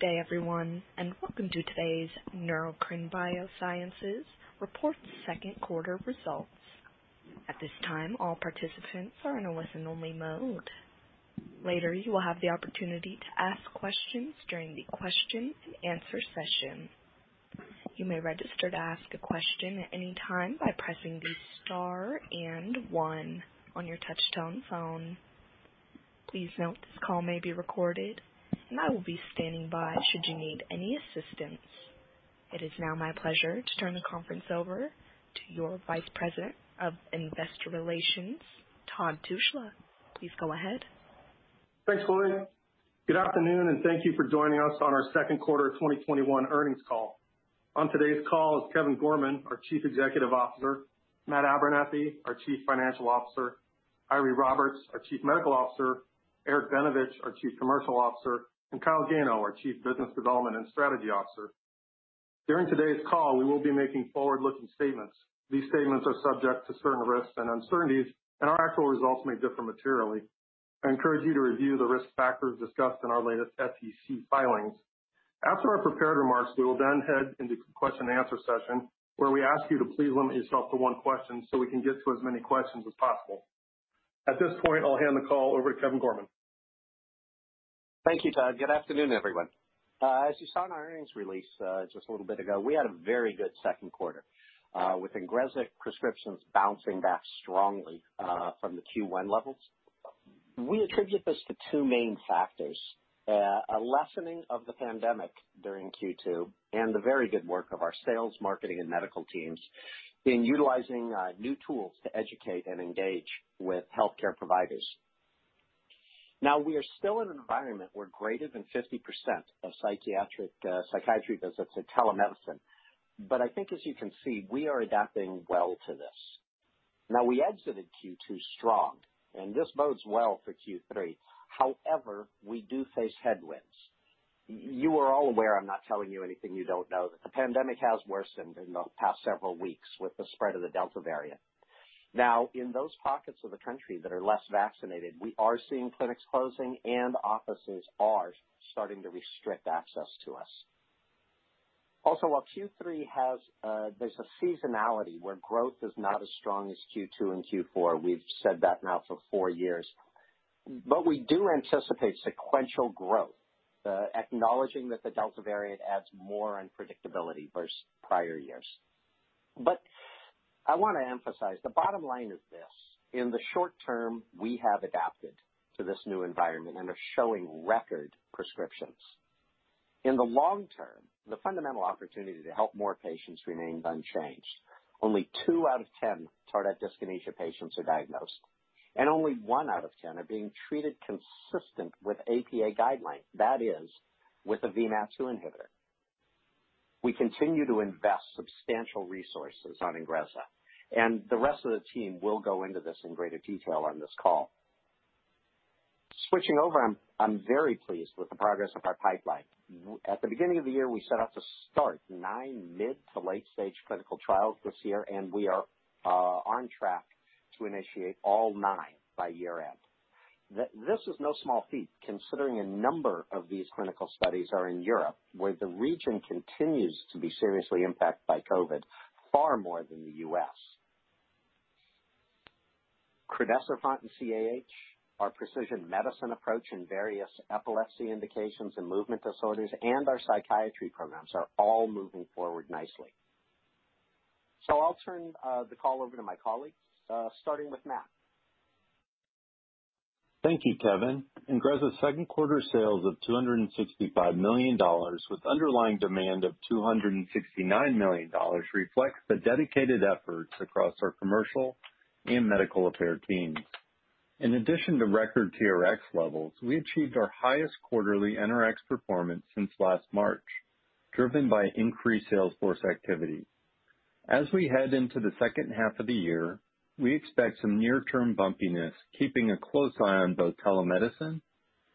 Good day, everyone. Welcome to today's Neurocrine Biosciences report second quarter results. At this time, all participants are in a listen-only mode. Later, you will have the opportunity to ask questions during the question and answer session. Please note this call may be recorded, and I will be standing by should you need any assistance. It is now my pleasure to turn the conference over to your Vice President of Investor Relations, Todd Tushla. Please go ahead. Thanks, Gloria. Good afternoon, and thank you for joining us on our second quarter 2021 earnings call. On today's call is Kevin Gorman, our Chief Executive Officer, Matthew Abernethy, our Chief Financial Officer, Eiry Roberts, our Chief Medical Officer, Eric Benevich, our Chief Commercial Officer, and Kyle Gano, our Chief Business Development and Strategy Officer. During today's call, we will be making forward-looking statements. These statements are subject to certain risks and uncertainties, and our actual results may differ materially. I encourage you to review the risk factors discussed in our latest SEC filings. After our prepared remarks, we will then head into question and answer session, where we ask you to please limit yourself to 1 question so we can get to as many questions as possible. At this point, I'll hand the call over to Kevin Gorman. Thank you, Todd. Good afternoon, everyone. As you saw in our earnings release, just a little bit ago, we had a very good second quarter, with INGREZZA prescriptions bouncing back strongly, from the Q1 levels. We attribute this to two main factors, a lessening of the pandemic during Q2 and the very good work of our sales, marketing, and medical teams in utilizing new tools to educate and engage with healthcare providers. Now, we are still in an environment where greater than 50% of psychiatric, psychiatry visits are telemedicine. I think as you can see, we are adapting well to this. We exited Q2 strong, and this bodes well for Q3. We do face headwinds. You are all aware, I'm not telling you anything you don't know, that the pandemic has worsened in the past several weeks with the spread of the Delta variant. In those pockets of the country that are less vaccinated, we are seeing clinics closing and offices are starting to restrict access to us. While Q3 has a seasonality where growth is not as strong as Q2 and Q4. We've said that now for four years. We do anticipate sequential growth, acknowledging that the Delta variant adds more unpredictability versus prior years. I want to emphasize the bottom line is this. In the short term, we have adapted to this new environment and are showing record prescriptions. In the long term, the fundamental opportunity to help more patients remains unchanged. Only two out of 10 tardive dyskinesia patients are diagnosed, and only one out of 10 are being treated consistent with APA guidelines, that is, with a VMAT2 inhibitor. We continue to invest substantial resources on INGREZZA, and the rest of the team will go into this in greater detail on this call. Switching over, I am very pleased with the progress of our pipeline. At the beginning of the year, we set out to start nine mid to late-stage clinical trials this year, and we are on track to initiate all nine by year-end. This is no small feat considering a number of these clinical studies are in Europe, where the region continues to be seriously impacted by COVID far more than the U.S. crinecerfont and CAH, our precision medicine approach in various epilepsy indications and movement disorders, and our psychiatry programs are all moving forward nicely. I'll turn the call over to my colleagues, starting with Matt. Thank you, Kevin. INGREZZA's second quarter sales of $265 million with underlying demand of $269 million reflects the dedicated efforts across our commercial and medical affairs teams. In addition to record TRX levels, we achieved our highest quarterly NRX performance since last March, driven by increased sales force activity. We head into the second half of the year, we expect some near-term bumpiness, keeping a close eye on both telemedicine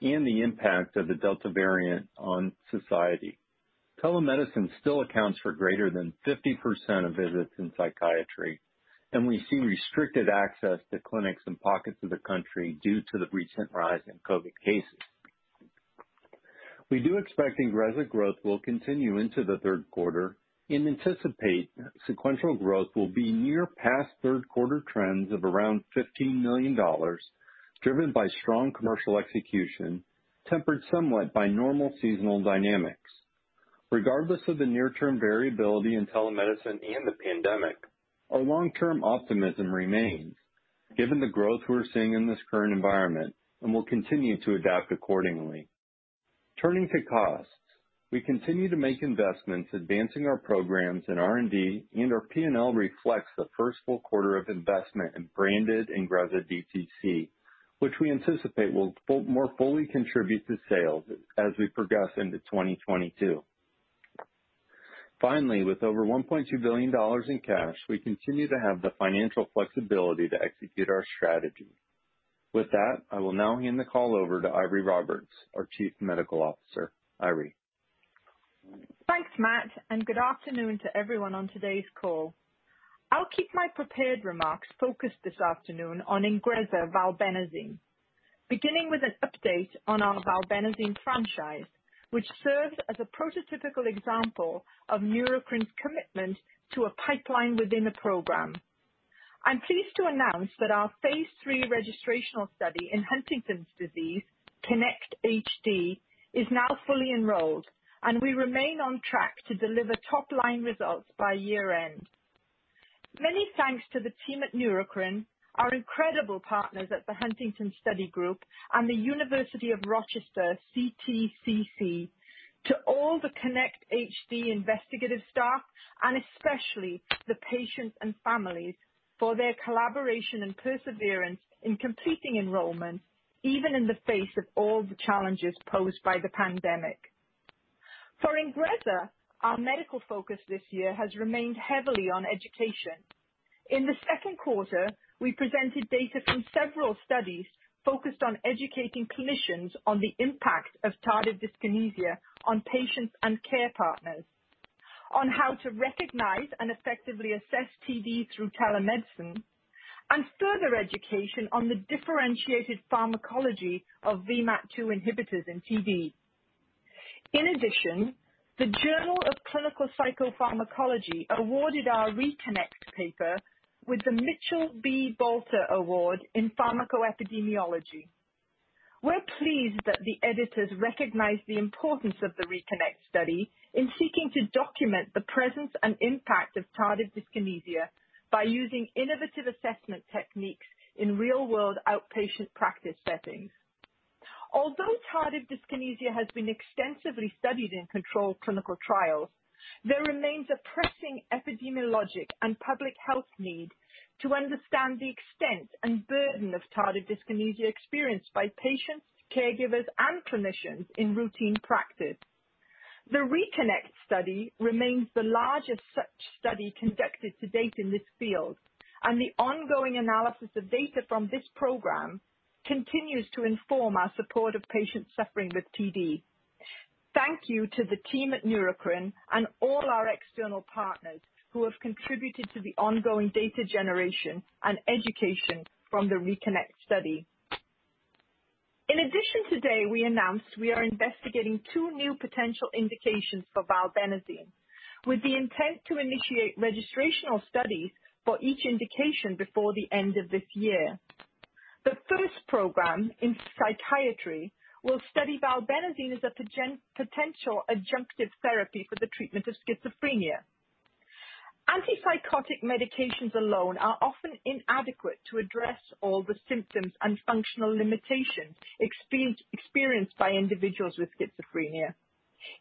and the impact of the Delta variant on society. Telemedicine still accounts for greater than 50% of visits in psychiatry, and we see restricted access to clinics in pockets of the country due to the recent rise in COVID cases. We do expect INGREZZA growth will continue into the third quarter and anticipate sequential growth will be near past third quarter trends of around $15 million, driven by strong commercial execution, tempered somewhat by normal seasonal dynamics. Regardless of the near-term variability in telemedicine and the pandemic, our long-term optimism remains given the growth we're seeing in this current environment and will continue to adapt accordingly. Turning to costs. We continue to make investments advancing our programs in R&D and our P&L reflects the first full quarter of investment in branded INGREZZA DTC, which we anticipate will more fully contribute to sales as we progress into 2022. With over $1.2 billion in cash, we continue to have the financial flexibility to execute our strategy. With that, I will now hand the call over to Eiry Roberts, our Chief Medical Officer. Eiry? Thanks, Matt, and good afternoon to everyone on today's call. I'll keep my prepared remarks focused this afternoon on INGREZZA valbenazine, beginning with an update on our valbenazine franchise, which serves as a prototypical example of Neurocrine's commitment to a pipeline within a program. I'm pleased to announce that our phase III registrational study in Huntington's disease, KINECT-HD, is now fully enrolled, and we remain on track to deliver top-line results by year-end. Many thanks to the team at Neurocrine, our incredible partners at the Huntington Study Group and the University of Rochester CTCC, to all the KINECT-HD investigative staff, and especially the patients and families for their collaboration and perseverance in completing enrollment, even in the face of all the challenges posed by the pandemic. For INGREZZA, our medical focus this year has remained heavily on education. In the second quarter, we presented data from several studies focused on educating clinicians on the impact of tardive dyskinesia on patients and care partners, on how to recognize and effectively assess TD through telemedicine, and further education on the differentiated pharmacology of VMAT2 inhibitors in TD. In addition, the Journal of Clinical Psychopharmacology awarded our RE-KINECT paper with the Mitchell B. Balter Award in Pharmacoepidemiology. We're pleased that the editors recognized the importance of the RE-KINECT study in seeking to document the presence and impact of tardive dyskinesia by using innovative assessment techniques in real-world outpatient practice settings. Although tardive dyskinesia has been extensively studied in controlled clinical trials, there remains a pressing epidemiologic and public health need to understand the extent and burden of tardive dyskinesia experienced by patients, caregivers, and clinicians in routine practice. The RE-KINECT study remains the largest such study conducted to date in this field, and the ongoing analysis of data from this program continues to inform our support of patients suffering with TD. Thank you to the team at Neurocrine and all our external partners who have contributed to the ongoing data generation and education from the RE-KINECT study. In addition, today we announced we are investigating two new potential indications for valbenazine, with the intent to initiate registrational studies for each indication before the end of this year. The first program in psychiatry will study valbenazine as a potential adjunctive therapy for the treatment of schizophrenia. Antipsychotic medications alone are often inadequate to address all the symptoms and functional limitations experienced by individuals with schizophrenia.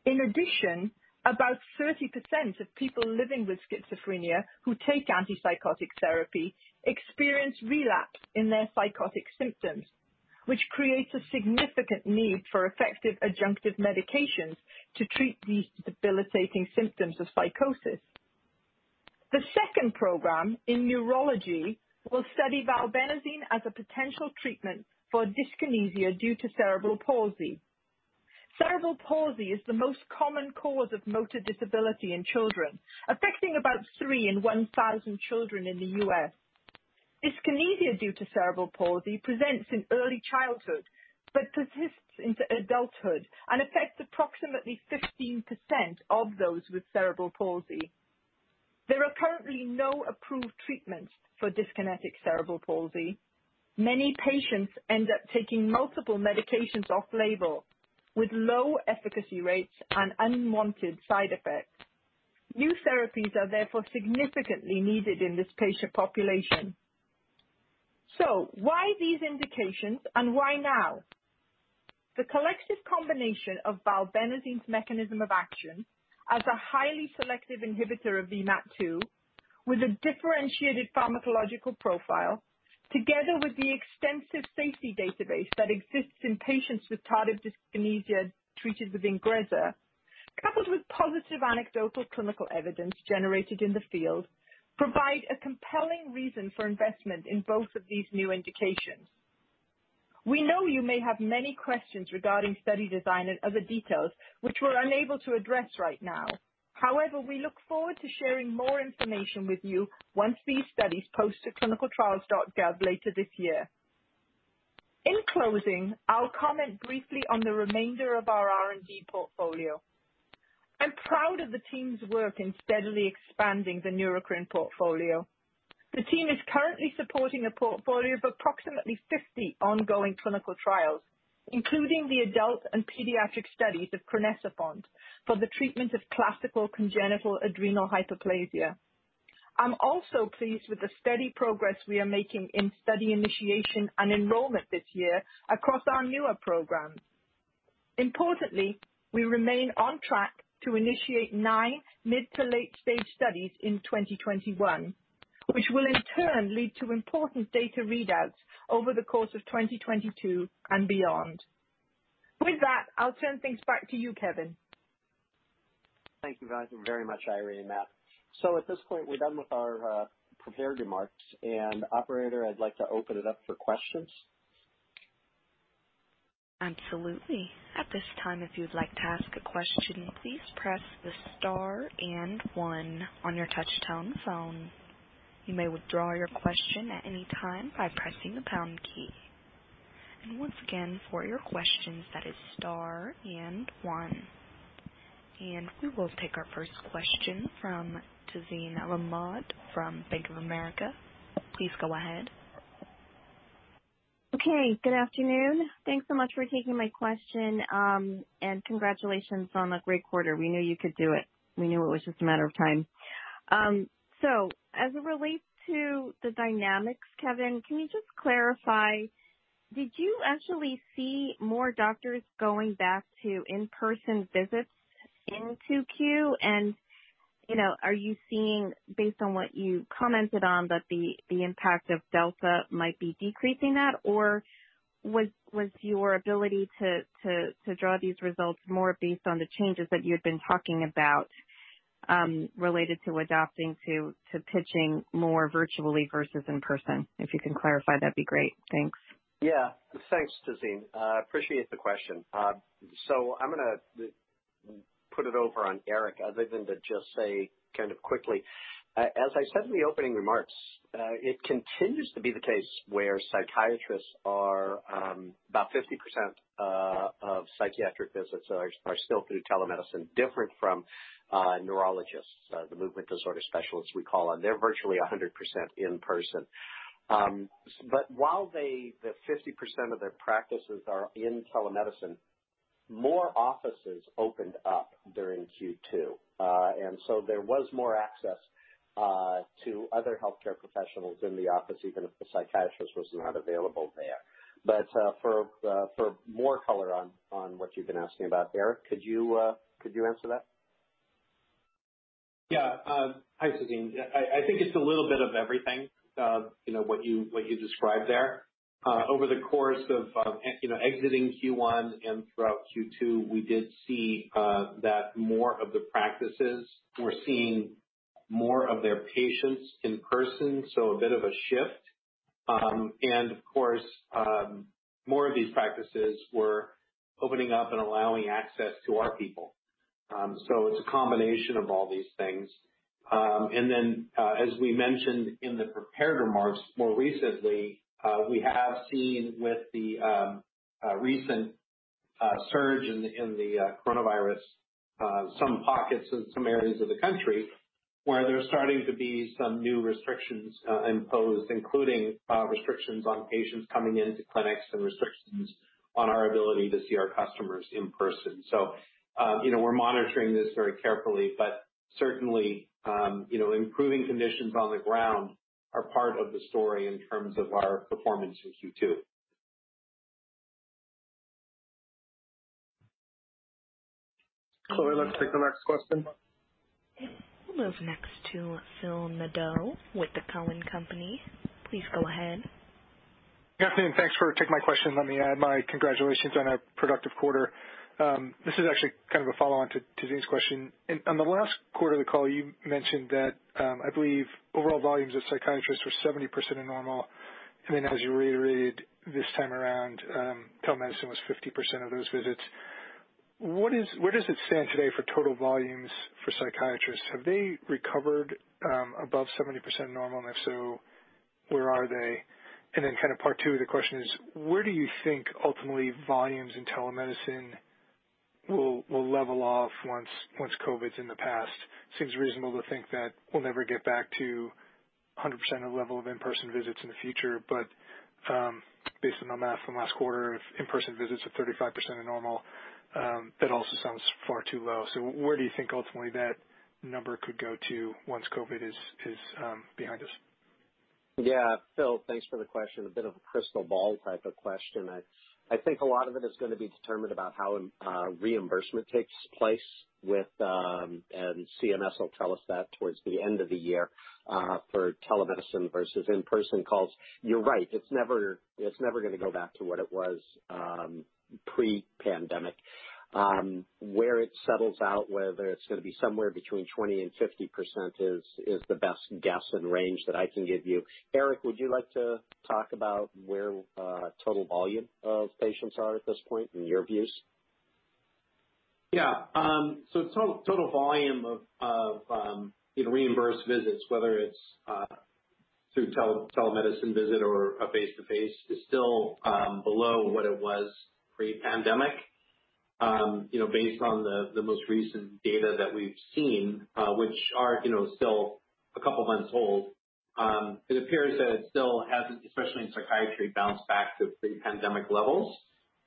In addition, about 30% of people living with schizophrenia who take antipsychotic therapy experience relapse in their psychotic symptoms, which creates a significant need for effective adjunctive medications to treat these debilitating symptoms of psychosis. The second program in neurology will study valbenazine as a potential treatment for dyskinesia due to cerebral palsy. Cerebral palsy is the most common cause of motor disability in children, affecting about three in 1,000 children in the U.S. Dyskinesia due to cerebral palsy presents in early childhood but persists into adulthood and affects approximately 15% of those with cerebral palsy. There are currently no approved treatments for dyskinetic cerebral palsy. Many patients end up taking multiple medications off-label with low efficacy rates and unwanted side effects. New therapies are therefore significantly needed in this patient population. Why these indications and why now? The collective combination of valbenazine's mechanism of action as a highly selective inhibitor of VMAT2 with a differentiated pharmacological profile, together with the extensive safety database that exists in patients with tardive dyskinesia treated with INGREZZA, coupled with positive anecdotal clinical evidence generated in the field, provide a compelling reason for investment in both of these new indications. We know you may have many questions regarding study design and other details, which we're unable to address right now. We look forward to sharing more information with you once these studies post to clinicaltrials.gov later this year. In closing, I'll comment briefly on the remainder of our R&D portfolio. I'm proud of the team's work in steadily expanding the Neurocrine portfolio. The team is currently supporting a portfolio of approximately 50 ongoing clinical trials, including the adult and pediatric studies of crinecerfont for the treatment of classical congenital adrenal hyperplasia. I'm also pleased with the steady progress we are making in study initiation and enrollment this year across our newer programs. Importantly, we remain on track to initiate nine mid to late-stage studies in 2021, which will in turn lead to important data readouts over the course of 2022 and beyond. With that, I'll turn things back to you, Kevin. Thank you very much, Eiry and Matthew. At this point, we're done with our prepared remarks, and operator, I'd like to open it up for questions. Absolutely. At this time, if you'd like to ask a question, please press the star and one on your touch-tone phone. You may withdraw your question at any time by pressing the pound key. Once again, for your questions, that is star and one. We will take our first question from Tazeen Ahmad from Bank of America. Please go ahead. Okay, good afternoon. Thanks so much for taking my question, and congratulations on a great quarter. We knew you could do it. We knew it was just a matter of time. As it relates to the dynamics, Kevin, can you just clarify, did you actually see more doctors going back to in-person visits in Q2? Are you seeing, based on what you commented on, that the impact of Delta might be decreasing that? Or was your ability to draw these results more based on the changes that you'd been talking about, related to adapting to pitching more virtually versus in person? If you can clarify, that'd be great. Thanks. Yeah. Thanks, Tazeen. Appreciate the question. I'm going to put it over on Eric, other than to just say kind of quickly. As I said in the opening remarks, it continues to be the case where psychiatrists are about 50% of psychiatric visits are still through telemedicine, different from neurologists, the movement disorder specialists we call on. They're virtually 100% in person. While 50% of their practices are in telemedicine, more offices opened up during Q2. There was more access to other healthcare professionals in the office, even if the psychiatrist was not available there. For more color on what you've been asking about, Eric, could you answer that? Yeah. Hi, Tazeen. I think it's a little bit of everything, what you described there. Over the course of exiting Q1 and throughout Q2, we did see that more of the practices were seeing more of their patients in person, so a bit of a shift. Of course, more of these practices were opening up and allowing access to our people. It's a combination of all these things. As we mentioned in the prepared remarks, more recently, we have seen with the recent surge in the coronavirus, some pockets in some areas of the country where there's starting to be some new restrictions imposed, including restrictions on patients coming into clinics and restrictions on our ability to see our customers in person. We're monitoring this very carefully, but certainly, improving conditions on the ground are part of the story in terms of our performance in Q2. Chloe, let's take the next question. We'll move next to Philip Nadeau with the Cowen Company. Please go ahead. Good afternoon. Thanks for taking my question. Let me add my congratulations on a productive quarter. This is actually kind of a follow-on to Tazeen's question. On the last quarter of the call, you mentioned that, I believe overall volumes of psychiatrists were 70% of normal, and then as you reiterated this time around, telemedicine was 50% of those visits. Where does it stand today for total volumes for psychiatrists? Have they recovered above 70% normal? If so, where are they? Then kind of part two of the question is, where do you think ultimately volumes in telemedicine will level off once COVID's in the past? Seems reasonable to think that we'll never get back to 100% of the level of in-person visits in the future, but based on the math from last quarter of in-person visits of 35% of normal, that also sounds far too low. Where do you think ultimately that number could go to once COVID is behind us? Phil, thanks for the question. A bit of a crystal ball type of question. I think a lot of it is going to be determined about how reimbursement takes place with, and CMS will tell us that towards the end of the year, for telemedicine versus in-person calls. You're right, it's never going to go back to what it was pre-pandemic. Where it settles out, whether it's going to be somewhere between 20%-50% is the best guess and range that I can give you. Eric, would you like to talk about where total volume of patients are at this point in your views? Total volume of reimbursed visits, whether it's through telemedicine visit or a face-to-face, is still below what it was pre-pandemic. Based on the most recent data that we've seen, which are still a couple months old, it appears that it still hasn't, especially in psychiatry, bounced back to pre-pandemic levels.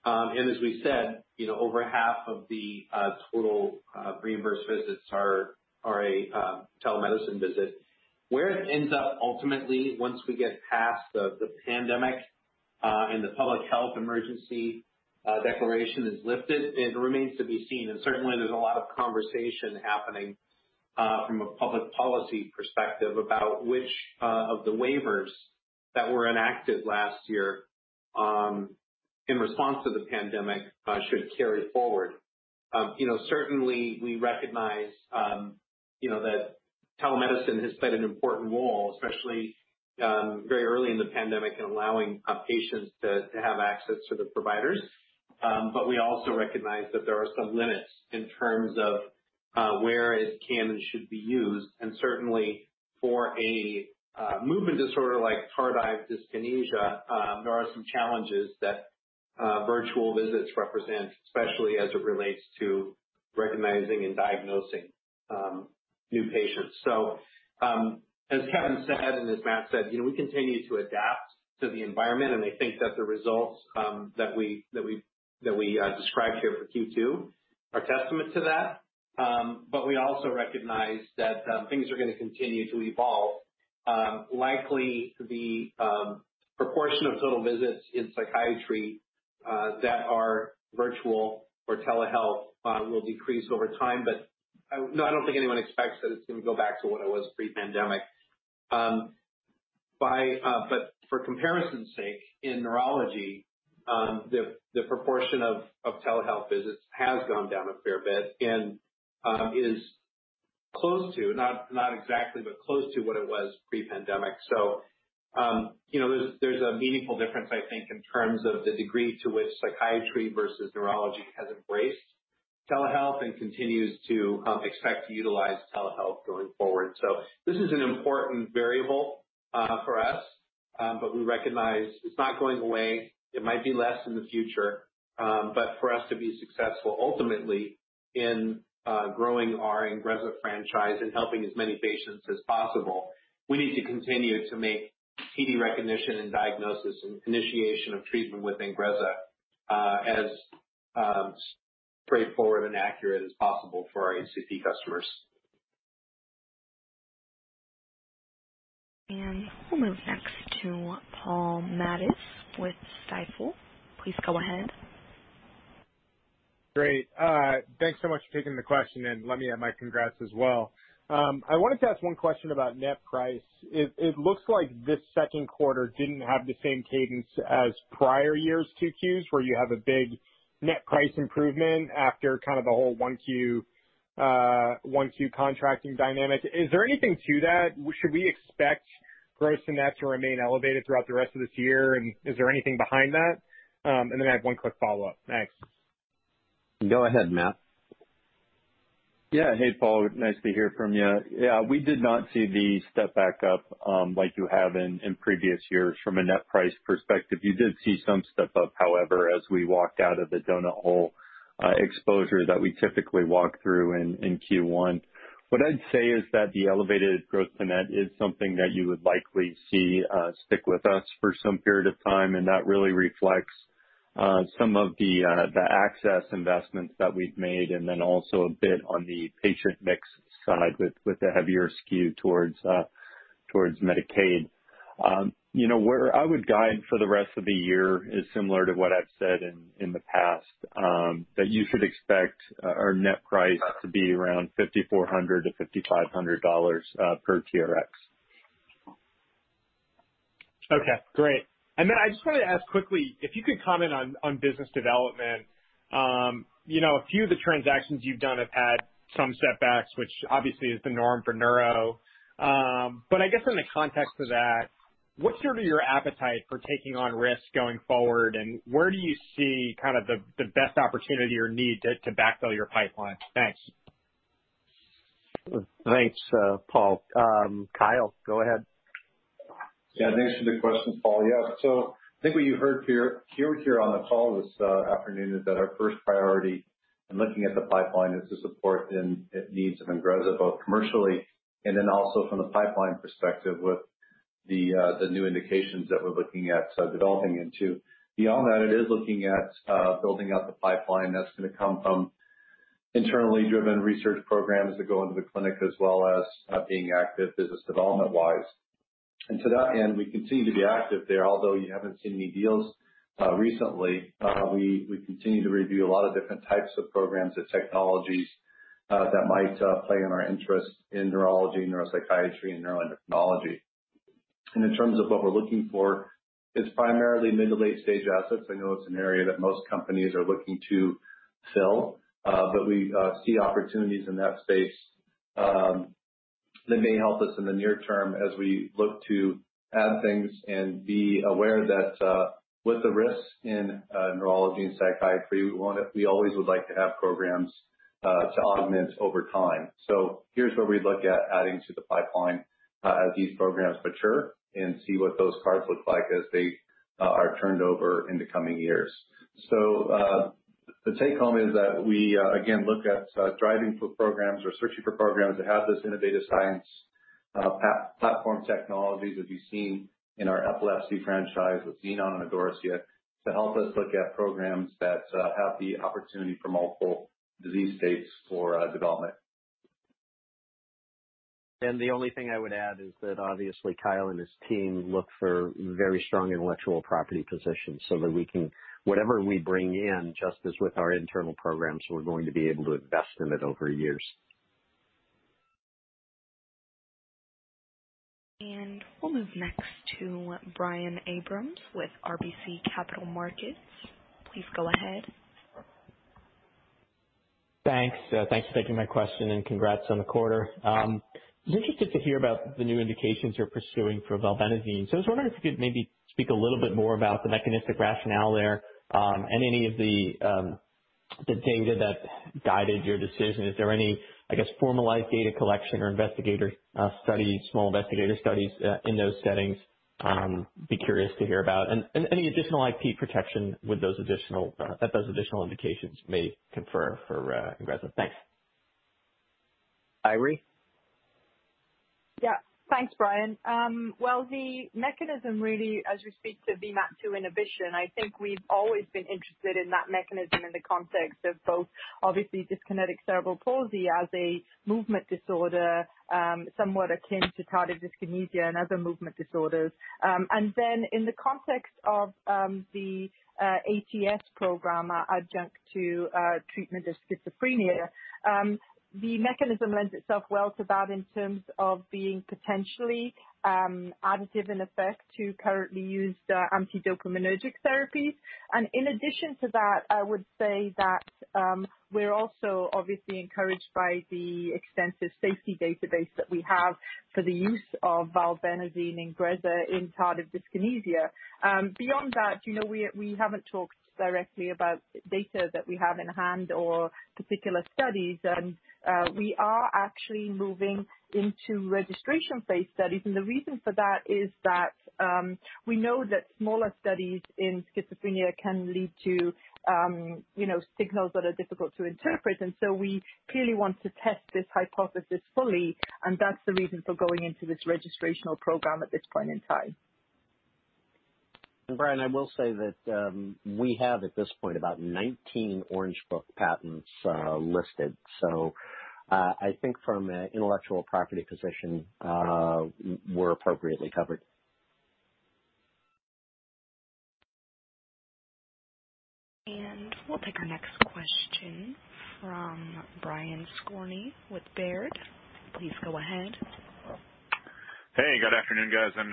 As we said, over half of the total reimbursed visits are a telemedicine visit. Where it ends up ultimately, once we get past the pandemic, and the public health emergency declaration is lifted, it remains to be seen. Certainly there's a lot of conversation happening, from a public policy perspective about which of the waivers that were enacted last year in response to the pandemic should carry forward. Certainly, we recognize that telemedicine has played an important role, especially very early in the pandemic in allowing patients to have access to the providers. We also recognize that there are some limits in terms of where it can and should be used. Certainly for a movement disorder like tardive dyskinesia, there are some challenges that virtual visits represent, especially as it relates to recognizing and diagnosing new patients. As Kevin said, and as Matt said, we continue to adapt to the environment, and I think that the results that we described here for Q2 are testament to that. We also recognize that things are going to continue to evolve. Likely the proportion of total visits in psychiatry that are virtual or telehealth will decrease over time. I don't think anyone expects that it's going to go back to what it was pre-pandemic. For comparison's sake, in neurology, the proportion of telehealth visits has gone down a fair bit and is close to, not exactly, but close to what it was pre-pandemic. There's a meaningful difference, I think, in terms of the degree to which psychiatry versus neurology has embraced telehealth and continues to expect to utilize telehealth going forward. This is an important variable for us. We recognize it's not going away. It might be less in the future. For us to be successful ultimately in growing our INGREZZA franchise and helping as many patients as possible, we need to continue to make TD recognition and diagnosis and initiation of treatment with INGREZZA as straightforward and accurate as possible for our HCP customers. We'll move next to Paul Matteis with Stifel. Please go ahead. Great. Thanks so much for taking the question, and let me add my congrats as well. I wanted to ask one question about net price. It looks like this second quarter didn't have the same cadence as prior years' Q2s, where you have a big net price improvement after kind of the whole 1Q contracting dynamic. Is there anything to that? Should we expect gross and net to remain elevated throughout the rest of this year, and is there anything behind that? I have one quick follow-up. Thanks. Go ahead, Matt. Hey, Paul. Nice to hear from you. We did not see the step back up like you have in previous years from a net price perspective. You did see some step up, however, as we walked out of the doughnut hole exposure that we typically walk through in Q1. What I'd say is that the elevated growth to net is something that you would likely see stick with us for some period of time, and that really reflects some of the access investments that we've made and then also a bit on the patient mix side with the heavier skew towards Medicaid. Where I would guide for the rest of the year is similar to what I've said in the past, that you should expect our net price to be around $5,400-$5,500 per TRX. Okay. Great. Then I just want to ask quickly if you could comment on business development. A few of the transactions you've done have had some setbacks, which obviously is the norm for neuro. I guess in the context of that, what's your appetite for taking on risk going forward, and where do you see kind of the best opportunity or need to backfill your pipeline? Thanks. Thanks, Paul. Kyle, go ahead. Thanks for the question, Paul. I think what you heard here on the call this afternoon is that our first priority in looking at the pipeline is to support the needs of INGREZZA, both commercially and then also from the pipeline perspective with the new indications that we're looking at developing into. Beyond that, it is looking at building out the pipeline that's going to come from internally driven research programs that go into the clinic as well as being active business development-wise. To that end, we continue to be active there, although you haven't seen any deals recently. We continue to review a lot of different types of programs and technologies that might play in our interest in neurology, neuropsychiatry, and neuroendocrinology. In terms of what we're looking for, it's primarily mid to late-stage assets. I know it's an area that most companies are looking to fill. We see opportunities in that space that may help us in the near term as we look to add things and be aware that with the risks in neurology and psychiatry, we always would like to have programs to augment over time. Here's where we'd look at adding to the pipeline as these programs mature and see what those cards look like as they are turned over in the coming years. The take home is that we, again, look at driving for programs or searching for programs that have this innovative science platform technologies as you've seen in our epilepsy franchise with Xenon and Idorsia yet, to help us look at programs that have the opportunity for multiple disease states for development. The only thing I would add is that obviously Kyle and his team look for very strong intellectual property positions so that whatever we bring in, just as with our internal programs, we're going to be able to invest in it over years. We'll move next to Brian Abrahams with RBC Capital Markets. Please go ahead. Thanks. Thanks for taking my question and congrats on the quarter. It was interesting to hear about the new indications you're pursuing for valbenazine. I was wondering if you could maybe speak a little bit more about the mechanistic rationale there, and any of the data that guided your decision. Is there any, I guess, formalized data collection or small investigator studies in those settings? Be curious to hear about. Any additional IP protection that those additional indications may confer for INGREZZA. Thanks. Eiry? Thanks, Brian. Well, the mechanism really, as we speak to VMAT2 inhibition, I think we've always been interested in that mechanism in the context of both, obviously, dyskinetic cerebral palsy as a movement disorder, somewhat akin to tardive dyskinesia and other movement disorders. Then in the context of the ATS program, adjunct to treatment of schizophrenia. The mechanism lends itself well to that in terms of being potentially additive in effect to currently used antidopaminergic therapies. In addition to that, I would say that we're also obviously encouraged by the extensive safety database that we have for the use of valbenazine INGREZZA in tardive dyskinesia. Beyond that, we haven't talked directly about data that we have in hand or particular studies. We are actually moving into registration phase studies. The reason for that is that we know that smaller studies in schizophrenia can lead to signals that are difficult to interpret. We clearly want to test this hypothesis fully, and that's the reason for going into this registrational program at this point in time. Brian, I will say that we have, at this point, about 19 Orange Book patents listed. I think from an intellectual property position, we're appropriately covered. We'll take our next question from Brian Skorney with Baird. Please go ahead. Good afternoon, guys, and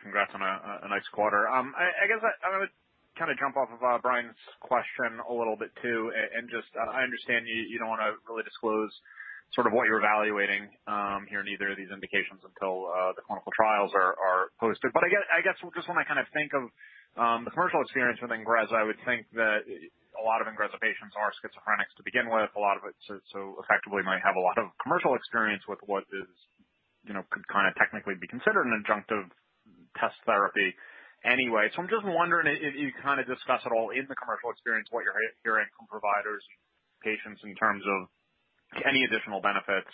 congrats on a nice quarter. I guess I'm going to jump off of Brian's question a little bit too, and just, I understand you don't want to really disclose sort of what you're evaluating here in either of these indications until the clinical trials are closed. I guess when I think of the commercial experience with INGREZZA, I would think that a lot of INGREZZA patients are schizophrenics to begin with. A lot of it so effectively might have a lot of commercial experience with what could technically be considered an adjunctive test therapy anyway. I'm just wondering if you discuss at all in the commercial experience what you're hearing from providers, patients in terms of any additional benefits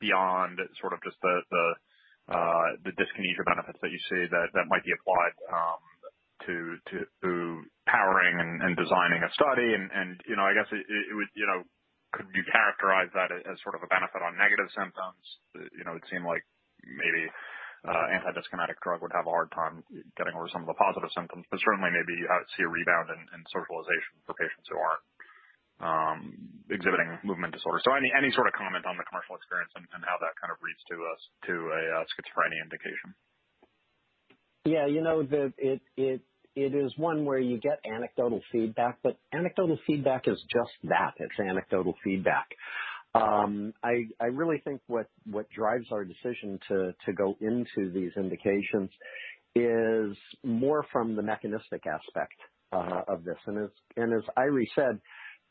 beyond just the dyskinesia benefits that you see that might be applied to powering and designing a study and I guess, could you characterize that as sort of a benefit on negative symptoms? It would seem like maybe an antidyskinetic drug would have a hard time getting over some of the positive symptoms, but certainly maybe I would see a rebound in socialization for patients who aren't exhibiting movement disorder. Any sort of comment on the commercial experience and how that kind of reads to a schizophrenia indication? It is one where you get anecdotal feedback, but anecdotal feedback is just that. It's anecdotal feedback. I really think what drives our decision to go into these indications is more from the mechanistic aspect of this. As Eiry said,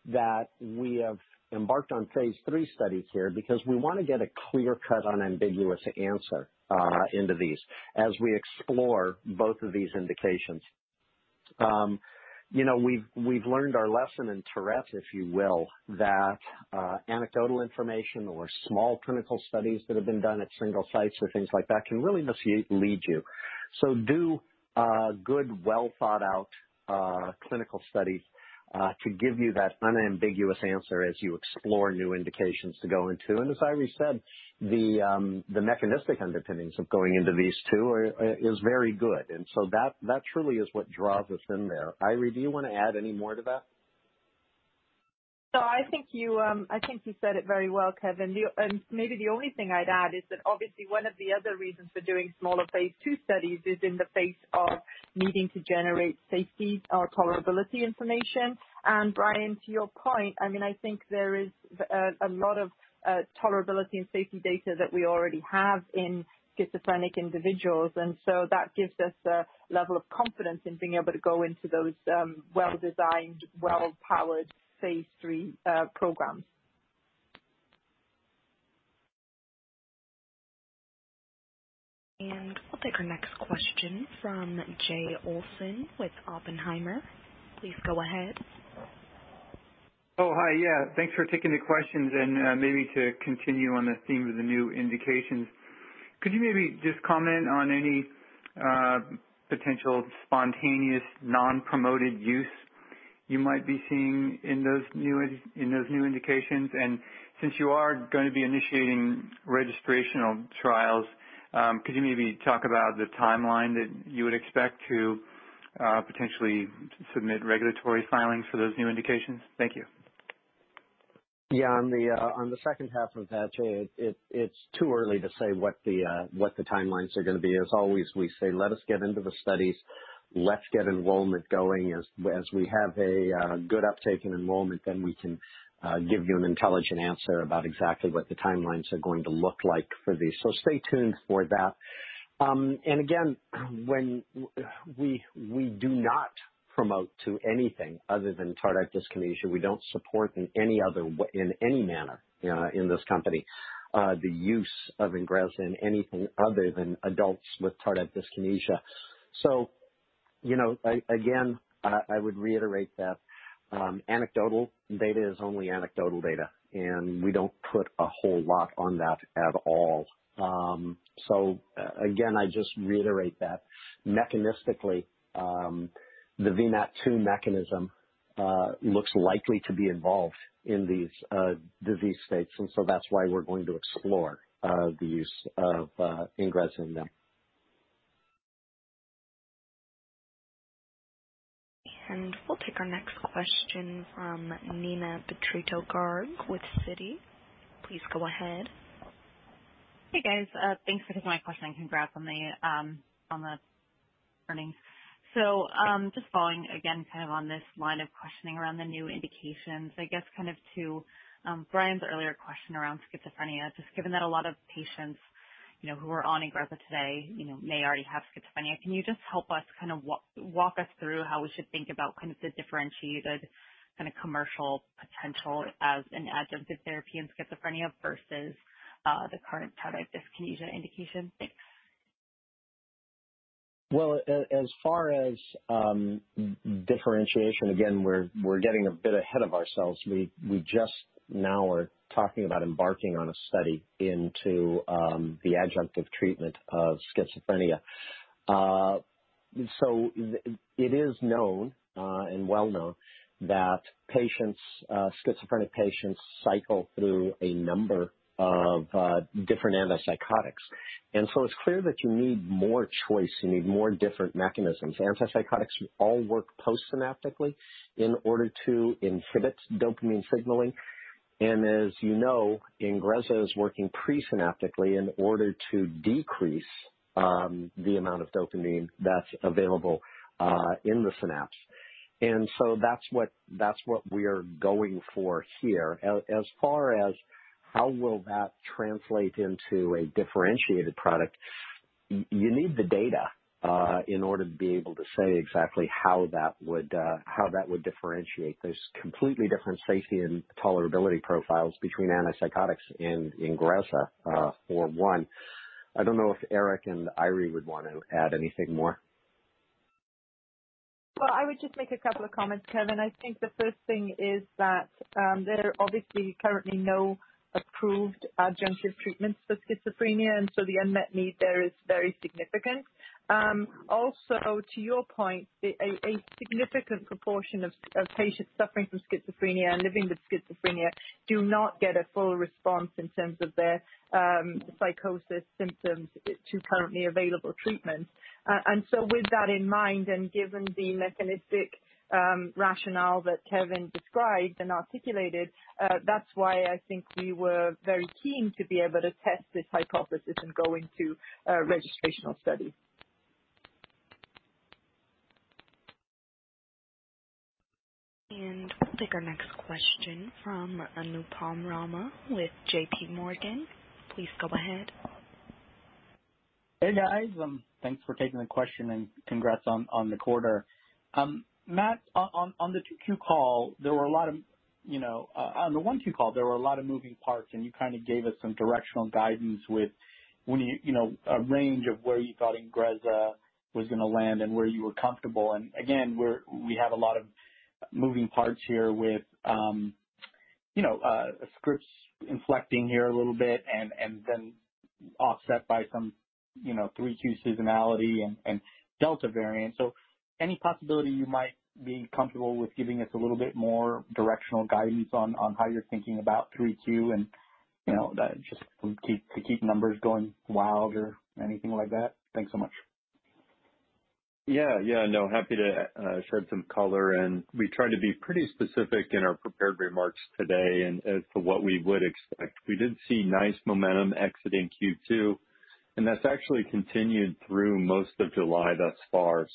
that we have embarked on phase III studies here because we want to get a clear-cut, unambiguous answer into these as we explore both of these indications. We've learned our lesson in Tourette, if you will, that anecdotal information or small clinical studies that have been done at single sites or things like that can really mislead you. Do good, well-thought-out clinical studies, to give you that unambiguous answer as you explore new indications to go into. As Eiry said, the mechanistic underpinnings of going into these two is very good. That truly is what draws us in there. Eiry, do you want to add any more to that? No, I think you said it very well, Kevin. Maybe the only thing I'd add is that obviously one of the other reasons for doing smaller phase II studies is in the face of needing to generate safety or tolerability information. Brian, to your point, I think there is a lot of tolerability and safety data that we already have in schizophrenic individuals, that gives us a level of confidence in being able to go into those well-designed, well-powered phase III programs. We'll take our next question from Jay Olson with Oppenheimer. Please go ahead. Oh, hi. Yeah, thanks for taking the questions. Maybe to continue on the theme of the new indications, could you maybe just comment on any potential spontaneous non-promoted use you might be seeing in those new indications? Since you are going to be initiating registrational trials, could you maybe talk about the timeline that you would expect to potentially submit regulatory filings for those new indications? Thank you. Yeah. On the second half of that, it's too early to say what the timelines are going to be. As always, we say, let us get into the studies. Let's get enrollment going. As we have a good uptake in enrollment, then we can give you an intelligent answer about exactly what the timelines are going to look like for these. Stay tuned for that. Again, we do not promote to anything other than tardive dyskinesia. We don't support in any other way, in any manner, in this company, the use of INGREZZA in anything other than adults with tardive dyskinesia. Again, I would reiterate that anecdotal data is only anecdotal data, and we don't put a whole lot on that at all. Again, I just reiterate that. Mechanistically, the VMAT2 mechanism looks likely to be involved in these disease states. That's why we're going to explore the use of INGREZZA in them. We'll take our next question from Neena Bitritto-Garg with Citi. Please go ahead. Hey, guys. Thanks for taking my question, and congrats on the earnings. Just following again, on this line of questioning around the new indications. I guess to Brian's earlier question around schizophrenia, just given that a lot of patients who are on INGREZZA today may already have schizophrenia, can you just help us, walk us through how we should think about the differentiated commercial potential as an adjunctive therapy in schizophrenia versus the current tardive dyskinesia indication? Thanks. Well, as far as differentiation, again, we're getting a bit ahead of ourselves. We just now are talking about embarking on a study into the adjunctive treatment of schizophrenia. It is known, and well known, that schizophrenic patients cycle through a number of different antipsychotics. It's clear that you need more choice. You need more different mechanisms. Antipsychotics all work postsynaptically in order to inhibit dopamine signaling. As you know, INGREZZA is working presynaptically in order to decrease the amount of dopamine that's available in the synapse. That's what we're going for here. As far as how will that translate into a differentiated product, you need the data in order to be able to say exactly how that would differentiate. There's completely different safety and tolerability profiles between antipsychotics and INGREZZA, for one. I don't know if Eric and Eiry would want to add anything more. Well, I would just make a couple of comments, Kevin. I think the first thing is that there are obviously currently no approved adjunctive treatments for schizophrenia, and so the unmet need there is very significant. Also, to your point, a significant proportion of patients suffering from schizophrenia and living with schizophrenia do not get a full response in terms of their psychosis symptoms to currently available treatments. With that in mind, and given the mechanistic rationale that Kevin described and articulated, that's why I think we were very keen to be able to test this hypothesis in going to a registrational study. We'll take our next question from Anupam Rama with JPMorgan. Please go ahead. Hey, guys. Thanks for taking the question and congrats on the quarter. Matt, on the 2Q call, there were a lot of moving parts, and you gave us some directional guidance with a range of where you thought INGREZZA was going to land and where you were comfortable. Again, we have a lot of moving parts here with scripts inflecting here a little bit and then offset by some 3Q seasonality and Delta variant. Any possibility you might be comfortable with giving us a little bit more directional guidance on how you're thinking about 3Q and just to keep numbers going wild or anything like that? Thanks so much. Yeah. No, happy to shed some color. We tried to be pretty specific in our prepared remarks today as to what we would expect. We did see nice momentum exiting Q2, and that's actually continued through most of July thus far.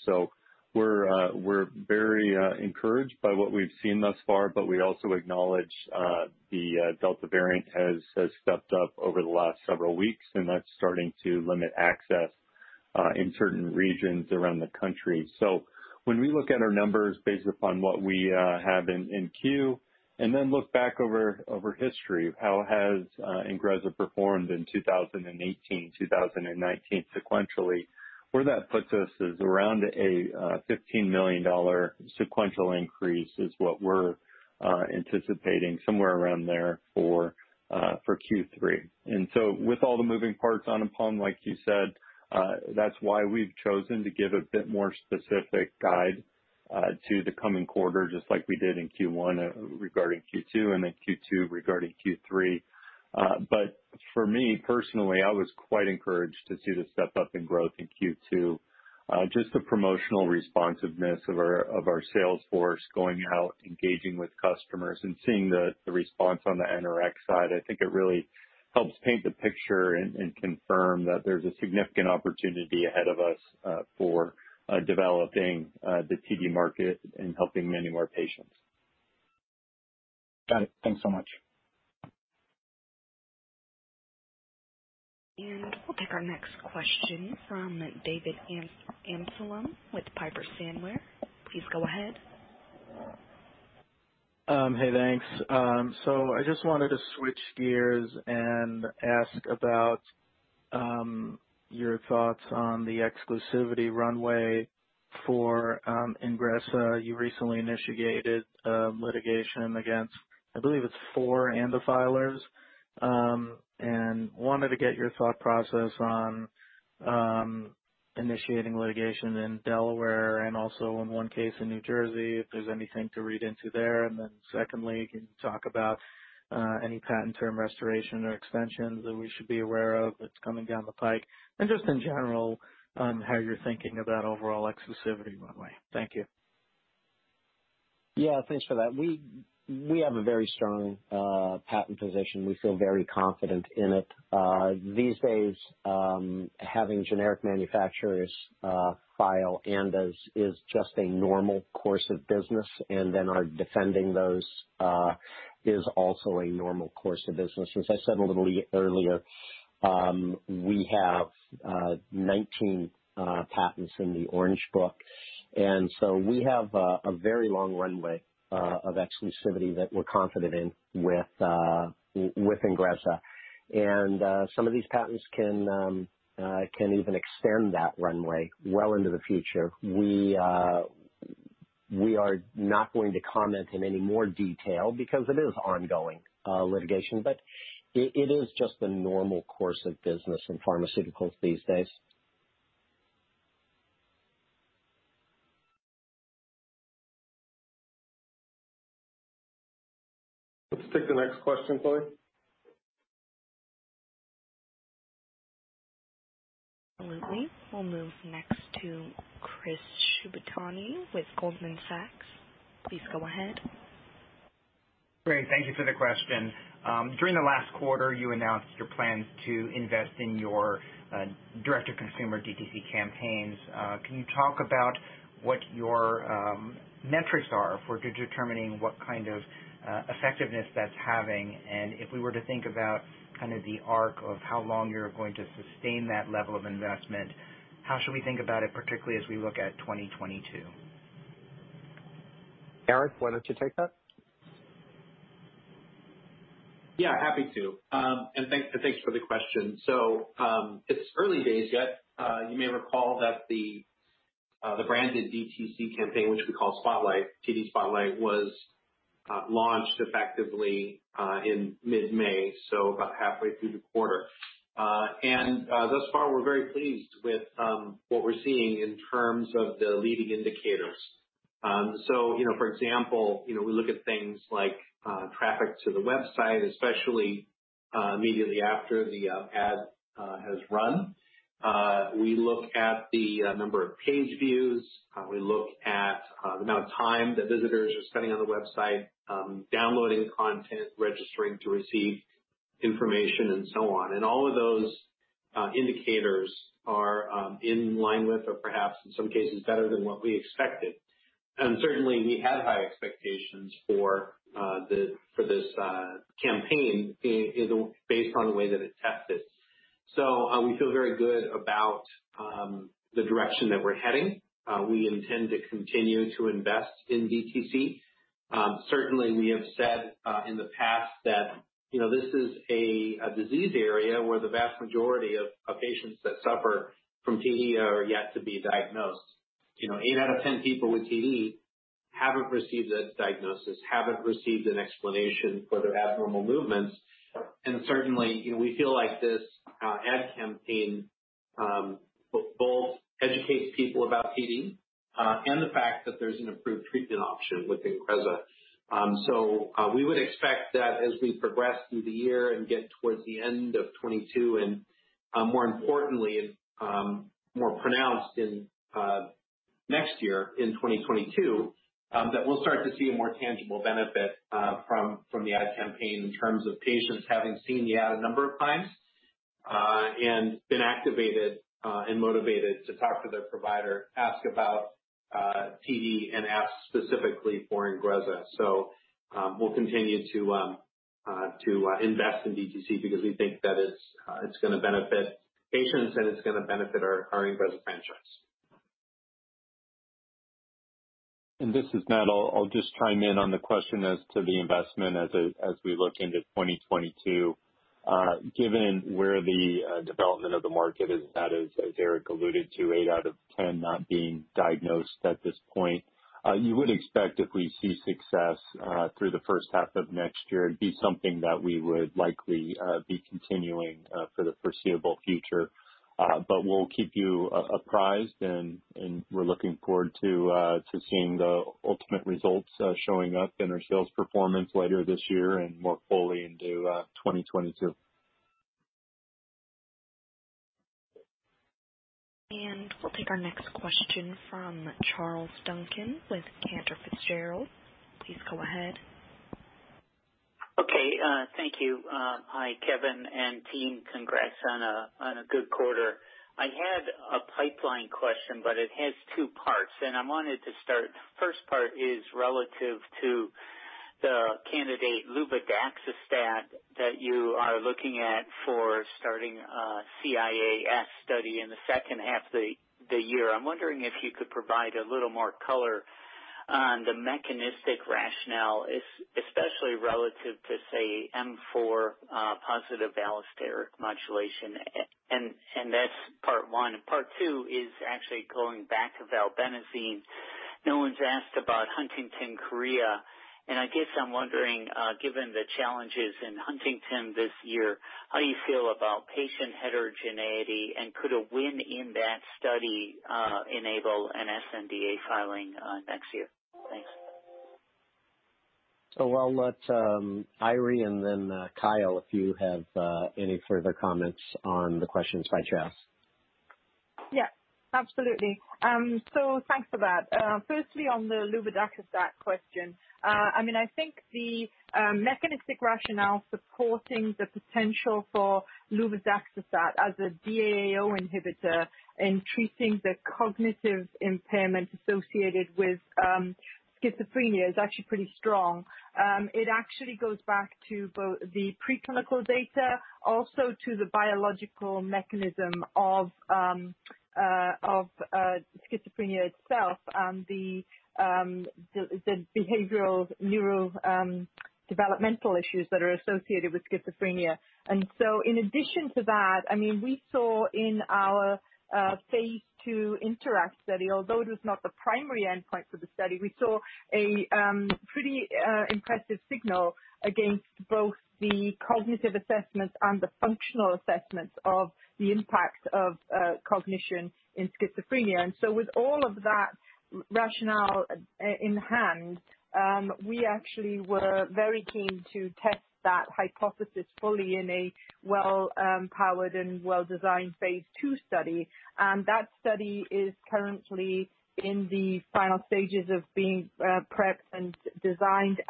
We're very encouraged by what we've seen thus far, but we also acknowledge the Delta variant has stepped up over the last several weeks, and that's starting to limit access in certain regions around the country. When we look at our numbers based upon what we have in queue and then look back over history of how has INGREZZA performed in 2018, 2019 sequentially, where that puts us is around a $15 million sequential increase is what we're anticipating, somewhere around there for Q3. With all the moving parts, Anupam, like you said, that's why we've chosen to give a bit more specific guide to the coming quarter, just like we did in Q1 regarding Q2 and then Q2 regarding Q3. For me personally, I was quite encouraged to see the step-up in growth in Q2. Just the promotional responsiveness of our sales force going out, engaging with customers, and seeing the response on the NRx side. I think it really helps paint the picture and confirm that there's a significant opportunity ahead of us for developing the TD market and helping many more patients. Got it. Thanks so much. We'll take our next question from David Amsellem with Piper Sandler. Please go ahead. Hey, thanks. I just wanted to switch gears and ask about your thoughts on the exclusivity runway for INGREZZA. You recently initiated litigation against, I believe it's four ANDA filers. Wanted to get your thought process on initiating litigation in Delaware, and also in one case in New Jersey, if there's anything to read into there. Secondly, can you talk about any patent term restoration or extensions that we should be aware of that's coming down the pike? Just in general on how you're thinking about overall exclusivity runway. Thank you. Yeah. Thanks for that. We have a very strong patent position. We feel very confident in it. These days, having generic manufacturers file ANDAs is just a normal course of business. Our defending those is also a normal course of business. As I said a little earlier, we have 19 patents in the Orange Book, and so we have a very long runway of exclusivity that we're confident in with INGREZZA. Some of these patents can even extend that runway well into the future. We are not going to comment in any more detail because it is ongoing litigation. It is just the normal course of business in pharmaceuticals these days. Let's take the next question, Chloe. Absolutely. We'll move next to Chris Shibutani with Goldman Sachs. Please go ahead. Great. Thank you for the question. During the last quarter, you announced your plans to invest in your direct to consumer DTC campaigns. Can you talk about what your metrics are for determining what kind of effectiveness that's having? If we were to think about the arc of how long you're going to sustain that level of investment, how should we think about it, particularly as we look at 2022? Eric, why don't you take that? Yeah, happy to. Thanks for the question. It's early days yet. You may recall that the branded DTC campaign, which we call Spotlight, TD Spotlight, was launched effectively in mid-May, so about halfway through the quarter. Thus far, we're very pleased with what we're seeing in terms of the leading indicators. For example, we look at things like traffic to the website, especially immediately after the ad has run. We look at the number of page views. We look at the amount of time that visitors are spending on the website, downloading content, registering to receive information, and so on. All of those indicators are in line with or perhaps in some cases better than what we expected. Certainly, we had high expectations for this campaign based on the way that it tested. We feel very good about the direction that we're heading. We intend to continue to invest in DTC. Certainly, we have said in the past that this is a disease area where the vast majority of patients that suffer from TD are yet to be diagnosed. Eight out of 10 people with TD haven't received a diagnosis, haven't received an explanation for their abnormal movements. Certainly, we feel like this ad campaign both educates people about TD and the fact that there's an approved treatment option with INGREZZA. We would expect that as we progress through the year and get towards the end of 2022 and more importantly, more pronounced in next year, in 2022, that we'll start to see a more tangible benefit from the ad campaign in terms of patients having seen the ad a number of times, and been activated and motivated to talk to their provider, ask about TD, and ask specifically for INGREZZA. We'll continue to invest in DTC because we think that it's going to benefit patients and it's going to benefit our INGREZZA franchise. This is Matt. I'll just chime in on the question as to the investment as we look into 2022. Given where the development of the market is at, as Eric alluded to, eight out of 10 not being diagnosed at this point, you would expect if we see success through the first half of next year, it'd be something that we would likely be continuing for the foreseeable future. We'll keep you apprised, and we're looking forward to seeing the ultimate results showing up in our sales performance later this year and more fully into 2022. We'll take our next question from Charles Duncan with Cantor Fitzgerald. Please go ahead. Okay. Thank you. Hi, Kevin and team. Congrats on a good quarter. I had a pipeline question, but it has two parts, and I wanted to start. First part is relative to the candidate, luvadaxistat, that you are looking at for starting a CIAS study in the second half of the year. I'm wondering if you could provide a little more color on the mechanistic rationale, especially relative to, say, M4 positive allosteric modulation. That's part one. Part two is actually going back to valbenazine. No one's asked about Huntington's chorea, and I guess I'm wondering, given the challenges in Huntington's this year, how you feel about patient heterogeneity and could a win in that study enable an sNDA filing next year? Thanks. I'll let Eiry Roberts and then Kyle Gano, if you have any further comments on the questions by Charles Duncan. Yeah, absolutely. Thanks for that. Firstly, on the luvadaxistat question. I think the mechanistic rationale supporting the potential for luvadaxistat as a DAO inhibitor in treating the cognitive impairment associated with schizophrenia is actually pretty strong. It actually goes back to both the preclinical data, also to the biological mechanism of schizophrenia itself and the behavioral neurodevelopmental issues that are associated with schizophrenia. In addition to that, we saw in our phase II INTERACT study, although it was not the primary endpoint for the study, we saw a pretty impressive signal against both the cognitive assessments and the functional assessments of the impact of cognition in schizophrenia. With all of that rationale in hand, we actually were very keen to test that hypothesis fully in a well-powered and well-designed phase II study. That study is currently in the final stages of being prepped and designed,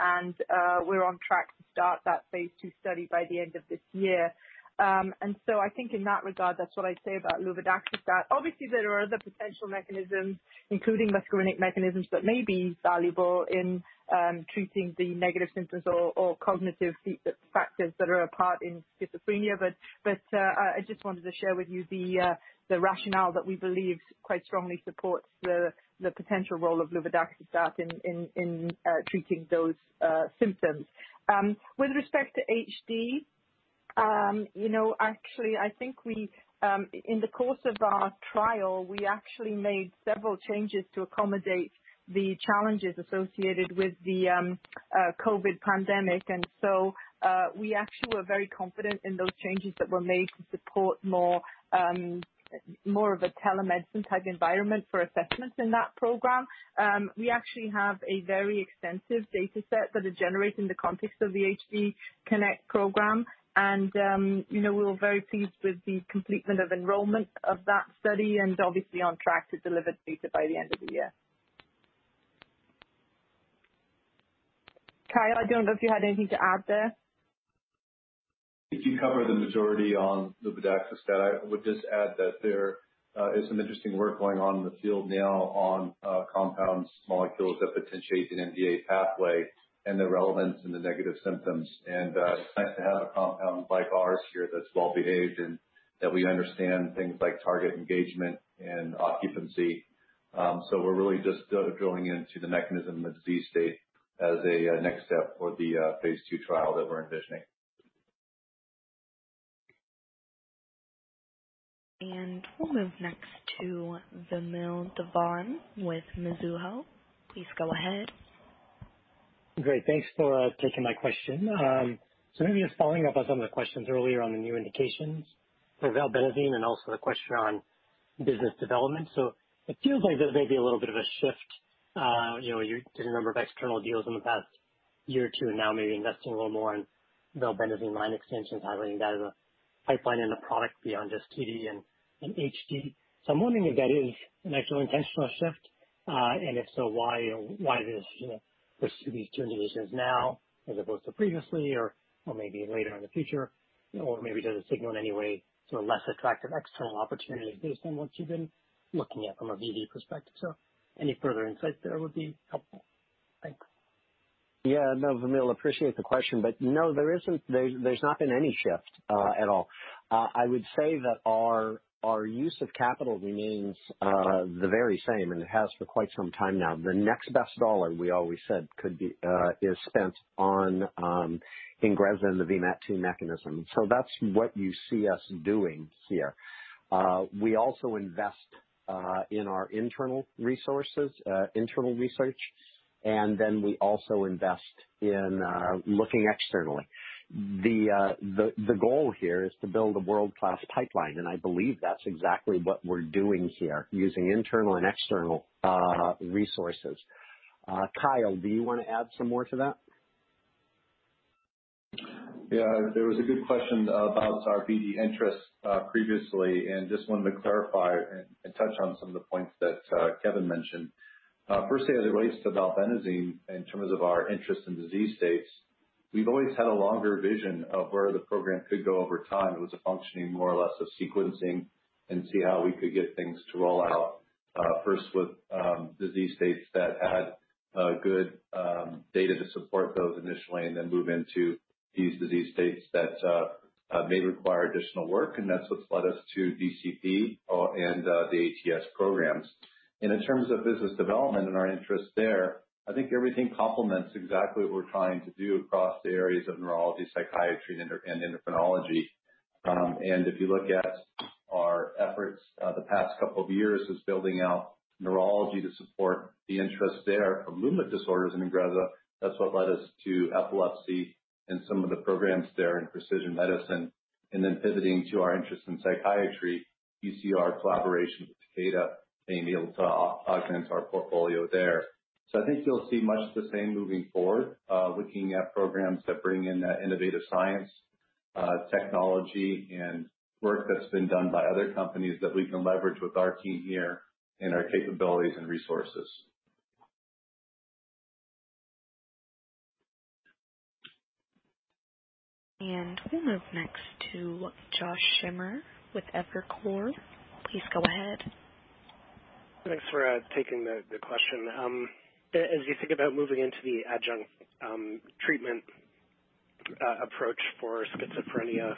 we're on track to start that phase II study by the end of this year. I think in that regard, that's what I'd say about luvadaxistat. Obviously, there are other potential mechanisms, including muscarinic mechanisms, that may be valuable in treating the negative symptoms or cognitive factors that are a part in schizophrenia. I just wanted to share with you the rationale that we believe quite strongly supports the potential role of luvadaxistat in treating those symptoms. With respect to HD, actually, I think in the course of our trial, we actually made several changes to accommodate the challenges associated with the COVID pandemic. We actually were very confident in those changes that were made to support more of a telemedicine-type environment for assessments in that program. We actually have a very extensive data set that is generated in the context of the HD KINECT program. We were very pleased with the completion of enrollment of that study and obviously on track to deliver data by the end of the year. Kyle, I don't know if you had anything to add there. I think you covered the majority on luvadaxistat. I would just add that there is some interesting work going on in the field now on compound molecules that potentiate the NMDA pathway and their relevance in the negative symptoms. It's nice to have a compound like ours here that's well-behaved and that we understand things like target engagement and occupancy. We're really just drilling into the mechanism of disease state as a next step for the phase II trial that we're envisioning. We'll move next to Vamil Divan with Mizuho. Please go ahead. Great. Thanks for taking my question. Maybe just following up on some of the questions earlier on the new indications for valbenazine and also the question on business development. It feels like there may be a little bit of a shift. You did a number of external deals in the past year or two and now maybe investing a little more in valbenazine line extension, highlighting that as a pipeline and a product beyond just TD and HD. I'm wondering if that is an actual intentional shift, and if so, why this push to these two indications now as opposed to previously or maybe later in the future? Or maybe does it signal in any way less attractive external opportunities based on what you've been looking at from a BD perspective? Any further insights there would be helpful. Thanks. Yeah. No, Vamil, appreciate the question, but no, there's not been any shift at all. I would say that our use of capital remains the very same, and it has for quite some time now. The next best dollar, we always said, is spent on INGREZZA and the VMAT2 mechanism. That's what you see us doing here. We also invest in our internal research, and then we also invest in looking externally. The goal here is to build a world-class pipeline, and I believe that's exactly what we're doing here using internal and external resources. Kyle, do you want to add some more to that? Yeah. There was a good question about our BD interest previously, and just wanted to clarify and touch on some of the points that Kevin mentioned. Firstly, as it relates to valbenazine in terms of our interest in disease states, we've always had a longer vision of where the program could go over time. It was a functioning more or less of sequencing and see how we could get things to roll out. First with disease states that had good data to support those initially, and then move into these disease states that may require additional work, and that's what's led us to DCP and the ATS programs. In terms of business development and our interest there, I think everything complements exactly what we're trying to do across the areas of neurology, psychiatry and endocrinology. If you look at our efforts the past couple of years is building out neurology to support the interest there for movement disorders in INGREZZA. That's what led us to epilepsy and some of the programs there in precision medicine. Pivoting to our interest in psychiatry, you see our collaboration with Takeda being able to augment our portfolio there. I think you'll see much the same moving forward. Looking at programs that bring in that innovative science, technology and work that's been done by other companies that we can leverage with our team here and our capabilities and resources. We'll move next to Joshua Schimmer with Evercore. Please go ahead. Thanks for taking the question. As you think about moving into the adjunct treatment approach for schizophrenia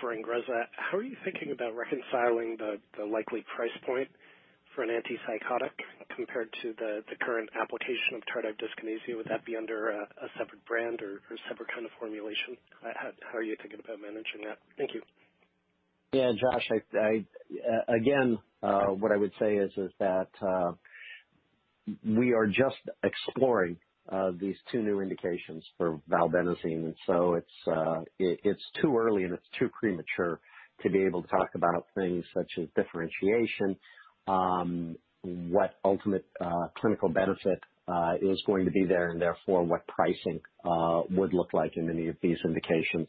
for INGREZZA, how are you thinking about reconciling the likely price point for an antipsychotic compared to the current application of tardive dyskinesia? Would that be under a separate brand or a separate kind of formulation? How are you thinking about managing that? Thank you. Yeah. Josh, again, what I would say is that we are just exploring these two new indications for valbenazine. It's too early and it's too premature to be able to talk about things such as differentiation. What ultimate clinical benefit is going to be there, and therefore what pricing would look like in any of these indications.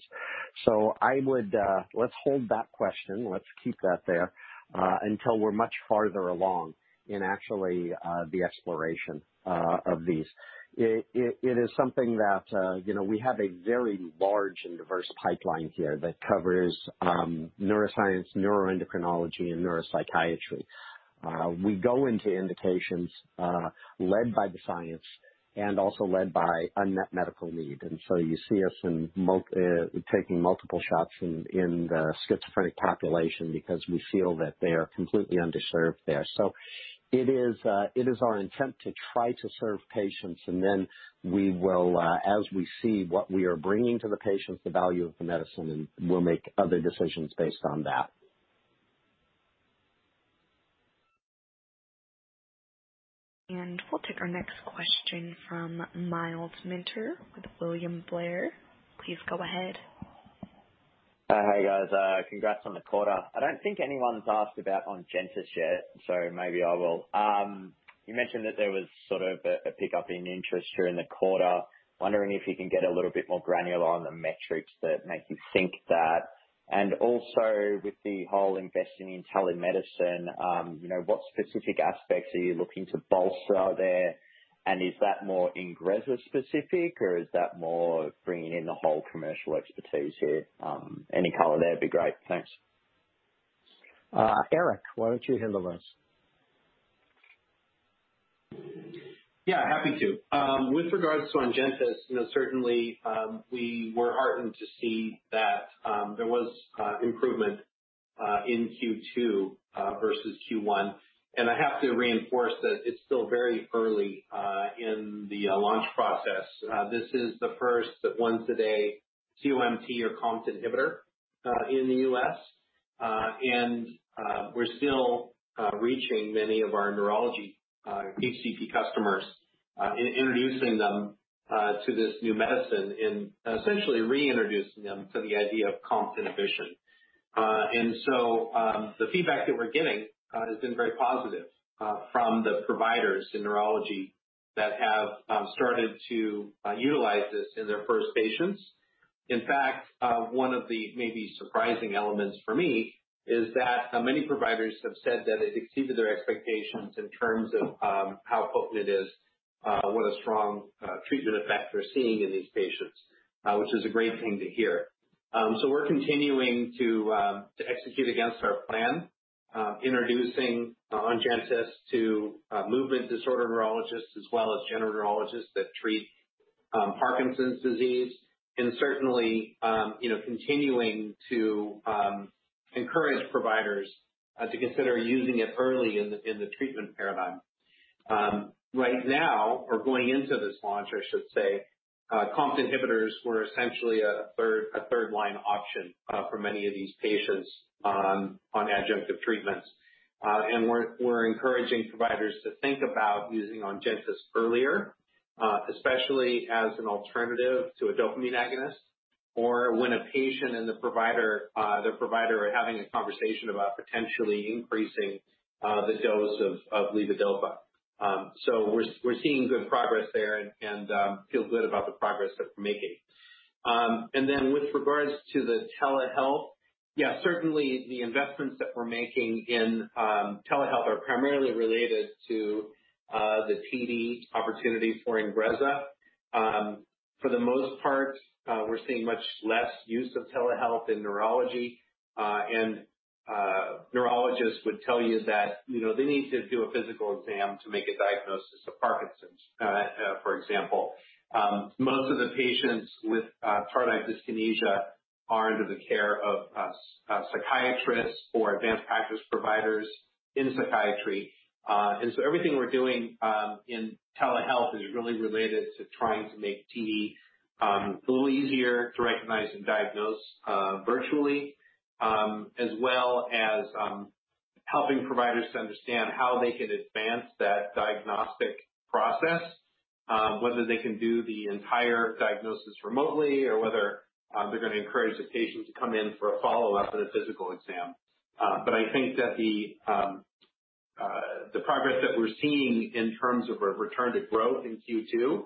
Let's hold that question. Let's keep that there until we're much farther along in actually the exploration of these. It is something that we have a very large and diverse pipeline here that covers neuroscience, neuroendocrinology and neuropsychiatry. We go into indications led by the science and also led by unmet medical need. You see us taking multiple shots in the schizophrenic population because we feel that they are completely underserved there. It is our intent to try to serve patients, and then we will as we see what we are bringing to the patients, the value of the medicine, and we'll make other decisions based on that. We'll take our next question from Myles Minter with William Blair. Please go ahead. Hey, guys. Congrats on the quarter. I don't think anyone's asked about ONGENTYS yet, so maybe I will. You mentioned that there was sort of a pickup in interest here in the quarter. Wondering if you can get a little bit more granular on the metrics that make you think that. Also with the whole investing in telemedicine, what specific aspects are you looking to bolster there? Is that more INGREZZA specific or is that more bringing in the whole commercial expertise here? Any color there would be great. Thanks. Eric, why don't you handle this? Yeah, happy to. With regards to ONGENTYS, certainly, we were heartened to see that there was improvement in Q2 versus Q1. I have to reinforce that it's still very early in the launch process. This is the first once a day COMT or COMT inhibitor in the U.S., and we're still reaching many of our neurology HCP customers, introducing them to this new medicine and essentially reintroducing them to the idea of COMT inhibition. The feedback that we're getting has been very positive from the providers in neurology that have started to utilize this in their first patients. In fact, one of the maybe surprising elements for me is that many providers have said that it exceeded their expectations in terms of how potent it is, what a strong treatment effect they're seeing in these patients, which is a great thing to hear. We're continuing to execute against our plan, introducing ONGENTYS to movement disorder neurologists as well as general neurologists that treat Parkinson's disease. Certainly continuing to encourage providers to consider using it early in the treatment paradigm. Right now or going into this launch, I should say, COMT inhibitors were essentially a third line option for many of these patients on adjunctive treatments. We're encouraging providers to think about using ONGENTYS earlier, especially as an alternative to a dopamine agonist or when a patient and the provider are having a conversation about potentially increasing the dose of levodopa. We're seeing good progress there and feel good about the progress that we're making. With regards to the telehealth, yeah, certainly the investments that we're making in telehealth are primarily related to the TD opportunity for INGREZZA. For the most part, we're seeing much less use of telehealth in neurology. Neurologists would tell you that they need to do a physical exam to make a diagnosis of Parkinson's, for example. Most of the patients with tardive dyskinesia are under the care of a psychiatrist or advanced practice providers in psychiatry. Everything we're doing in telehealth is really related to trying to make TD a little easier to recognize and diagnose virtually, as well as helping providers to understand how they can advance that diagnostic process, whether they can do the entire diagnosis remotely or whether they're going to encourage the patient to come in for a follow-up and a physical exam. I think that the progress that we're seeing in terms of a return to growth in Q2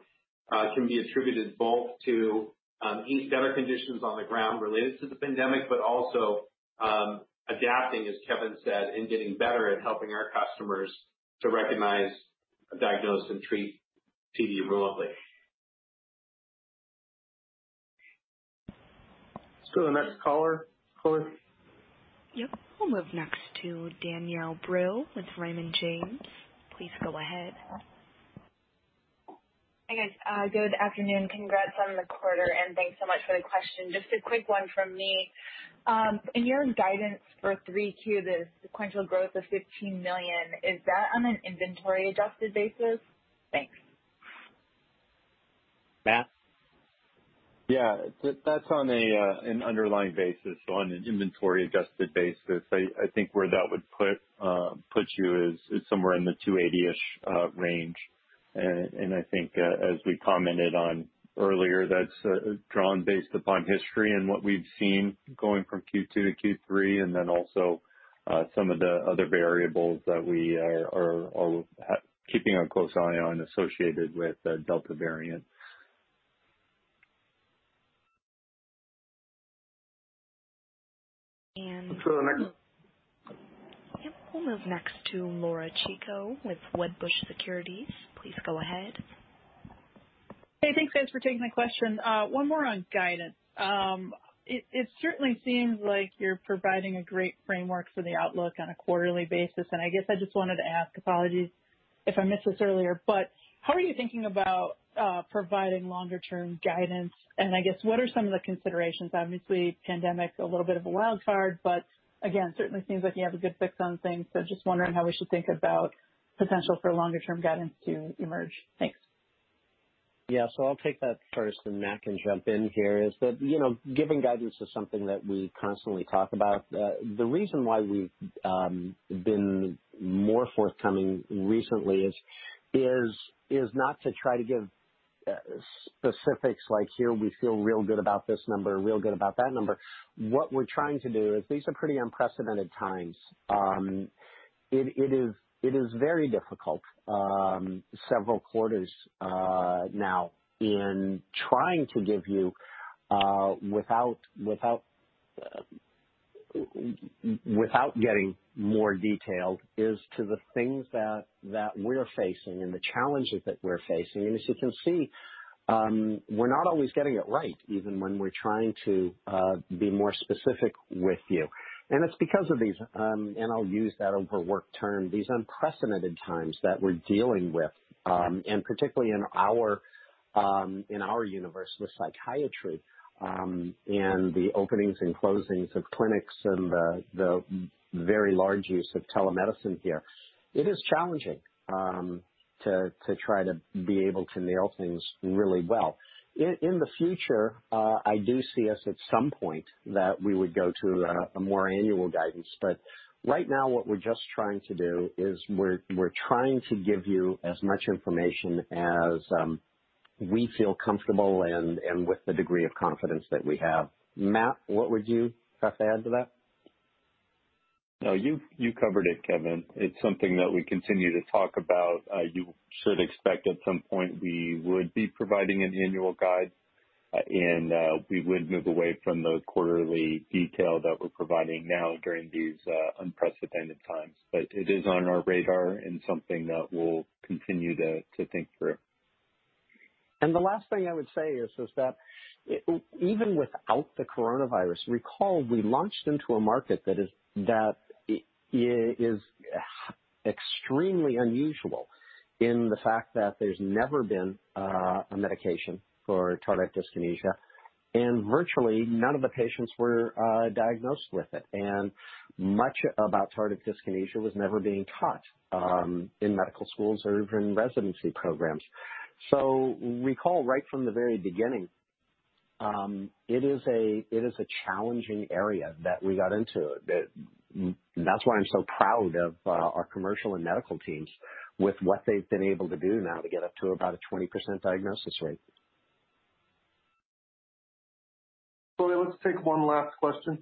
can be attributed both to eased better conditions on the ground related to the pandemic, but also adapting, as Kevin said, and getting better at helping our customers to recognize, diagnose, and treat TD remotely. Let's go to the next caller, operator. Yep. We'll move next to Danielle Brill with Raymond James. Please go ahead. Hey, guys. Good afternoon. Congrats on the quarter, and thanks so much for the question. Just a quick one from me. In your guidance for 3Q, the sequential growth of $15 million, is that on an inventory-adjusted basis? Thanks. Matt? Yeah. That's on an underlying basis, so on an inventory-adjusted basis. I think where that would put you is somewhere in the 280-ish range. I think, as we commented on earlier, that's drawn based upon history and what we've seen going from Q2-Q3, also some of the other variables that we are keeping a close eye on associated with the Delta variant. And- Let's go to the next. Yep. We'll move next to Laura Chico with Wedbush Securities. Please go ahead. Hey, thanks, guys, for taking my question. One more on guidance. It certainly seems like you're providing a great framework for the outlook on a quarterly basis, and I guess I just wanted to ask, apologies if I missed this earlier, but how are you thinking about providing longer-term guidance, and I guess what are some of the considerations? Obviously, pandemic's a little bit of a wild card, but again, certainly seems like you have a good fix on things, so just wondering how we should think about potential for longer-term guidance to emerge. Thanks. Yeah. I'll take that first, and Matt can jump in here, is that giving guidance is something that we constantly talk about. The reason why we've been more forthcoming recently is not to try to give specifics like, "Here we feel real good about this number, real good about that number." What we're trying to do is these are pretty unprecedented times. It is very difficult several quarters now in trying to give you without getting more detailed as to the things that we're facing and the challenges that we're facing. As you can see, we're not always getting it right, even when we're trying to be more specific with you. It's because of these, and I'll use that overwork term, these unprecedented times that we're dealing with. Particularly in our universe with psychiatry, and the openings and closings of clinics and the very large use of telemedicine here, it is challenging to try to be able to nail things really well. In the future, I do see us at some point that we would go to a more annual guidance. Right now, what we're just trying to do is we're trying to give you as much information as we feel comfortable and with the degree of confidence that we have. Matt, what would you like to add to that? No, you covered it, Kevin. It's something that we continue to talk about. You should expect at some point we would be providing an annual guide, and we would move away from the quarterly detail that we're providing now during these unprecedented times. It is on our radar and something that we'll continue to think through. The last thing I would say is that even without the coronavirus, recall, we launched into a market that is extremely unusual in the fact that there's never been a medication for tardive dyskinesia, and virtually none of the patients were diagnosed with it. Much about tardive dyskinesia was never being taught in medical schools or even residency programs. Recall right from the very beginning, it is a challenging area that we got into. That's why I'm so proud of our commercial and medical teams with what they've been able to do now to get up to about a 20% diagnosis rate. Let's take one last question.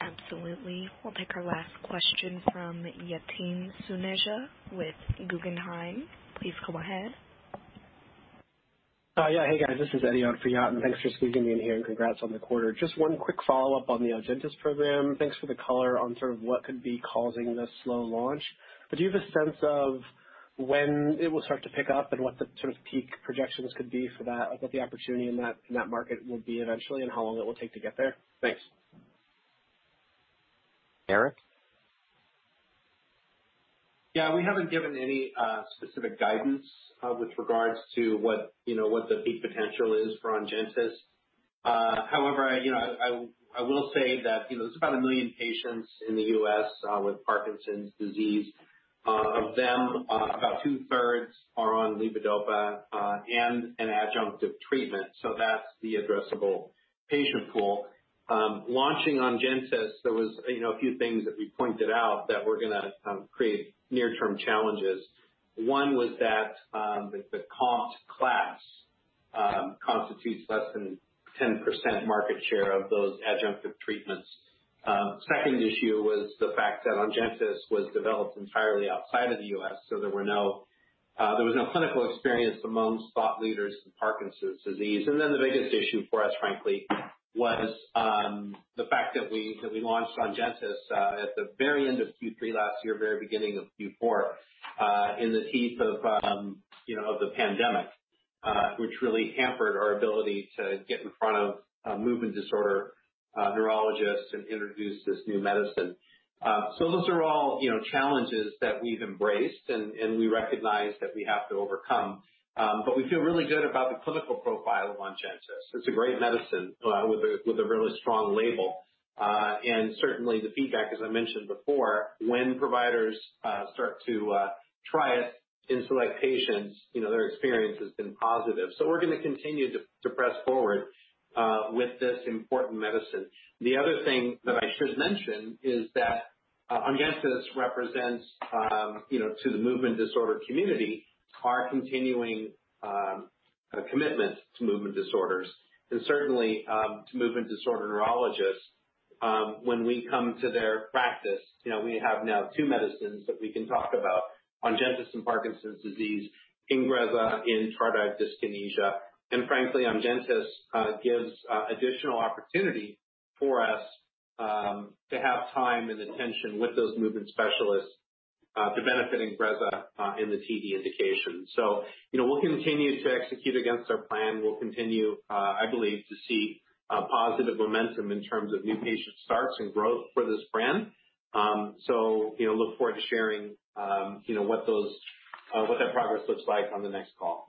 Absolutely. We'll take our last question from Yatin Suneja with Guggenheim. Please go ahead. Yeah. Hey, guys. This is Eddie out for Yatin. Thanks for squeezing me in here, and congrats on the quarter. Just one quick follow-up on the ONGENTYS program. Thanks for the color on what could be causing the slow launch. Do you have a sense of when it will start to pick up and what the peak projections could be for that? Like, what the opportunity in that market will be eventually, and how long it will take to get there? Thanks. Eric? Yeah. We haven't given any specific guidance with regards to what the peak potential is for ONGENTYS. However, I will say that there's about one million patients in the U.S. with Parkinson's disease. Of them, about two-thirds are on levodopa and an adjunctive treatment, so that's the addressable patient pool. Launching ONGENTYS, there was a few things that we pointed out that were going to create near-term challenges. One was that the COMT class constitutes less than 10% market share of those adjunctive treatments. Second issue was the fact that ONGENTYS was developed entirely outside of the U.S., so there was no clinical experience among thought leaders in Parkinson's disease. The biggest issue for us, frankly, was the fact that we launched ONGENTYS at the very end of Q3 last year, very beginning of Q4, in the teeth of the pandemic, which really hampered our ability to get in front of movement disorder neurologists and introduce this new medicine. Those are all challenges that we've embraced and we recognize that we have to overcome. We feel really good about the clinical profile of ONGENTYS. It's a great medicine with a really strong label. Certainly the feedback, as I mentioned before, when providers start to try it in select patients, their experience has been positive. We're going to continue to press forward with this important medicine. The other thing that I should mention is that ONGENTYS represents, to the movement disorder community, our continuing commitment to movement disorders and certainly to movement disorder neurologists. When we come to their practice, we have now two medicines that we can talk about, ONGENTYS in Parkinson's disease, INGREZZA in tardive dyskinesia. Frankly, ONGENTYS gives additional opportunity for us to have time and attention with those movement specialists to benefit INGREZZA in the TD indication. We'll continue to execute against our plan. We'll continue, I believe, to see positive momentum in terms of new patient starts and growth for this brand. Look forward to sharing what that progress looks like on the next call.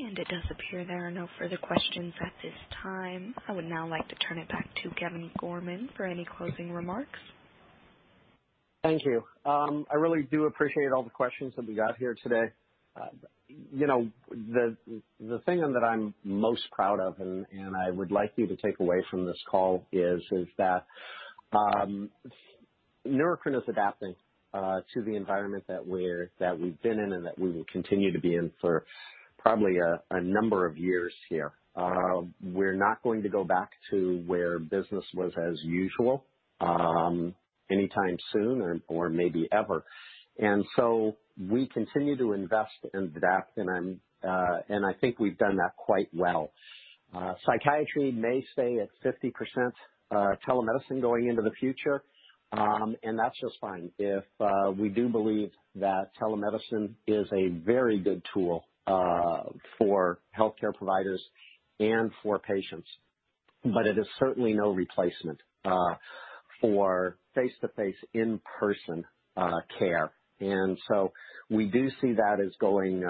It does appear there are no further questions at this time. I would now like to turn it back to Kevin Gorman for any closing remarks. Thank you. I really do appreciate all the questions that we got here today. The thing that I'm most proud of, and I would like you to take away from this call, is that Neurocrine is adapting to the environment that we've been in and that we will continue to be in for probably a number of years here. We're not going to go back to where business was as usual anytime soon or maybe ever. We continue to invest in that, and I think we've done that quite well. Psychiatry may stay at 50% telemedicine going into the future, and that's just fine if we do believe that telemedicine is a very good tool for healthcare providers and for patients. It is certainly no replacement for face-to-face, in-person care. We do see that as going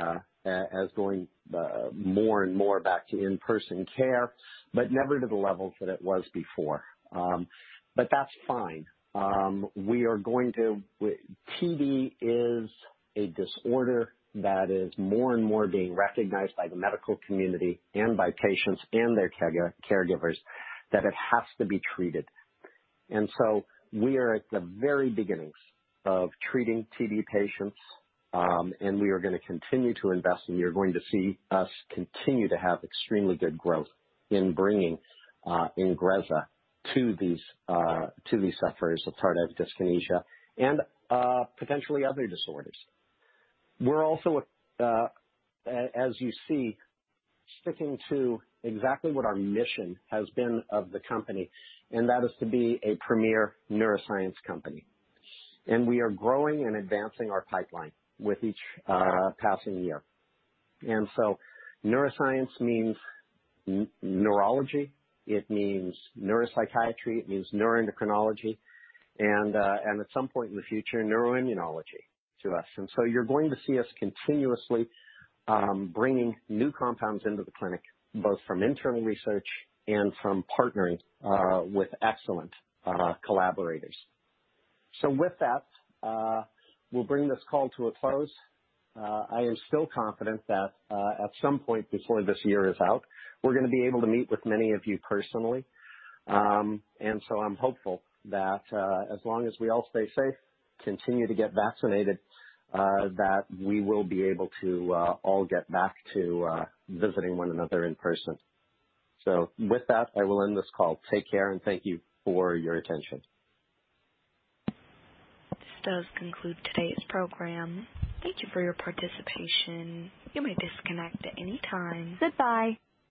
more and more back to in-person care, but never to the levels that it was before. That's fine. TD is a disorder that is more and more being recognized by the medical community and by patients and their caregivers that it has to be treated. We are at the very beginnings of treating TD patients, and we are going to continue to invest, and you're going to see us continue to have extremely good growth in bringing INGREZZA to these sufferers of tardive dyskinesia and potentially other disorders. We're also, as you see, sticking to exactly what our mission has been of the company, and that is to be a premier neuroscience company. We are growing and advancing our pipeline with each passing year. Neuroscience means neurology. It means neuropsychiatry. It means neuroendocrinology. At some point in the future, neuroimmunology to us. You're going to see us continuously bringing new compounds into the clinic, both from internal research and from partnering with excellent collaborators. With that, we'll bring this call to a close. I am still confident that at some point before this year is out, we're going to be able to meet with many of you personally. I'm hopeful that as long as we all stay safe, continue to get vaccinated, that we will be able to all get back to visiting one another in person. With that, I will end this call. Take care, and thank you for your attention. This does conclude today's program. Thank you for your participation. You may disconnect at any time. Goodbye.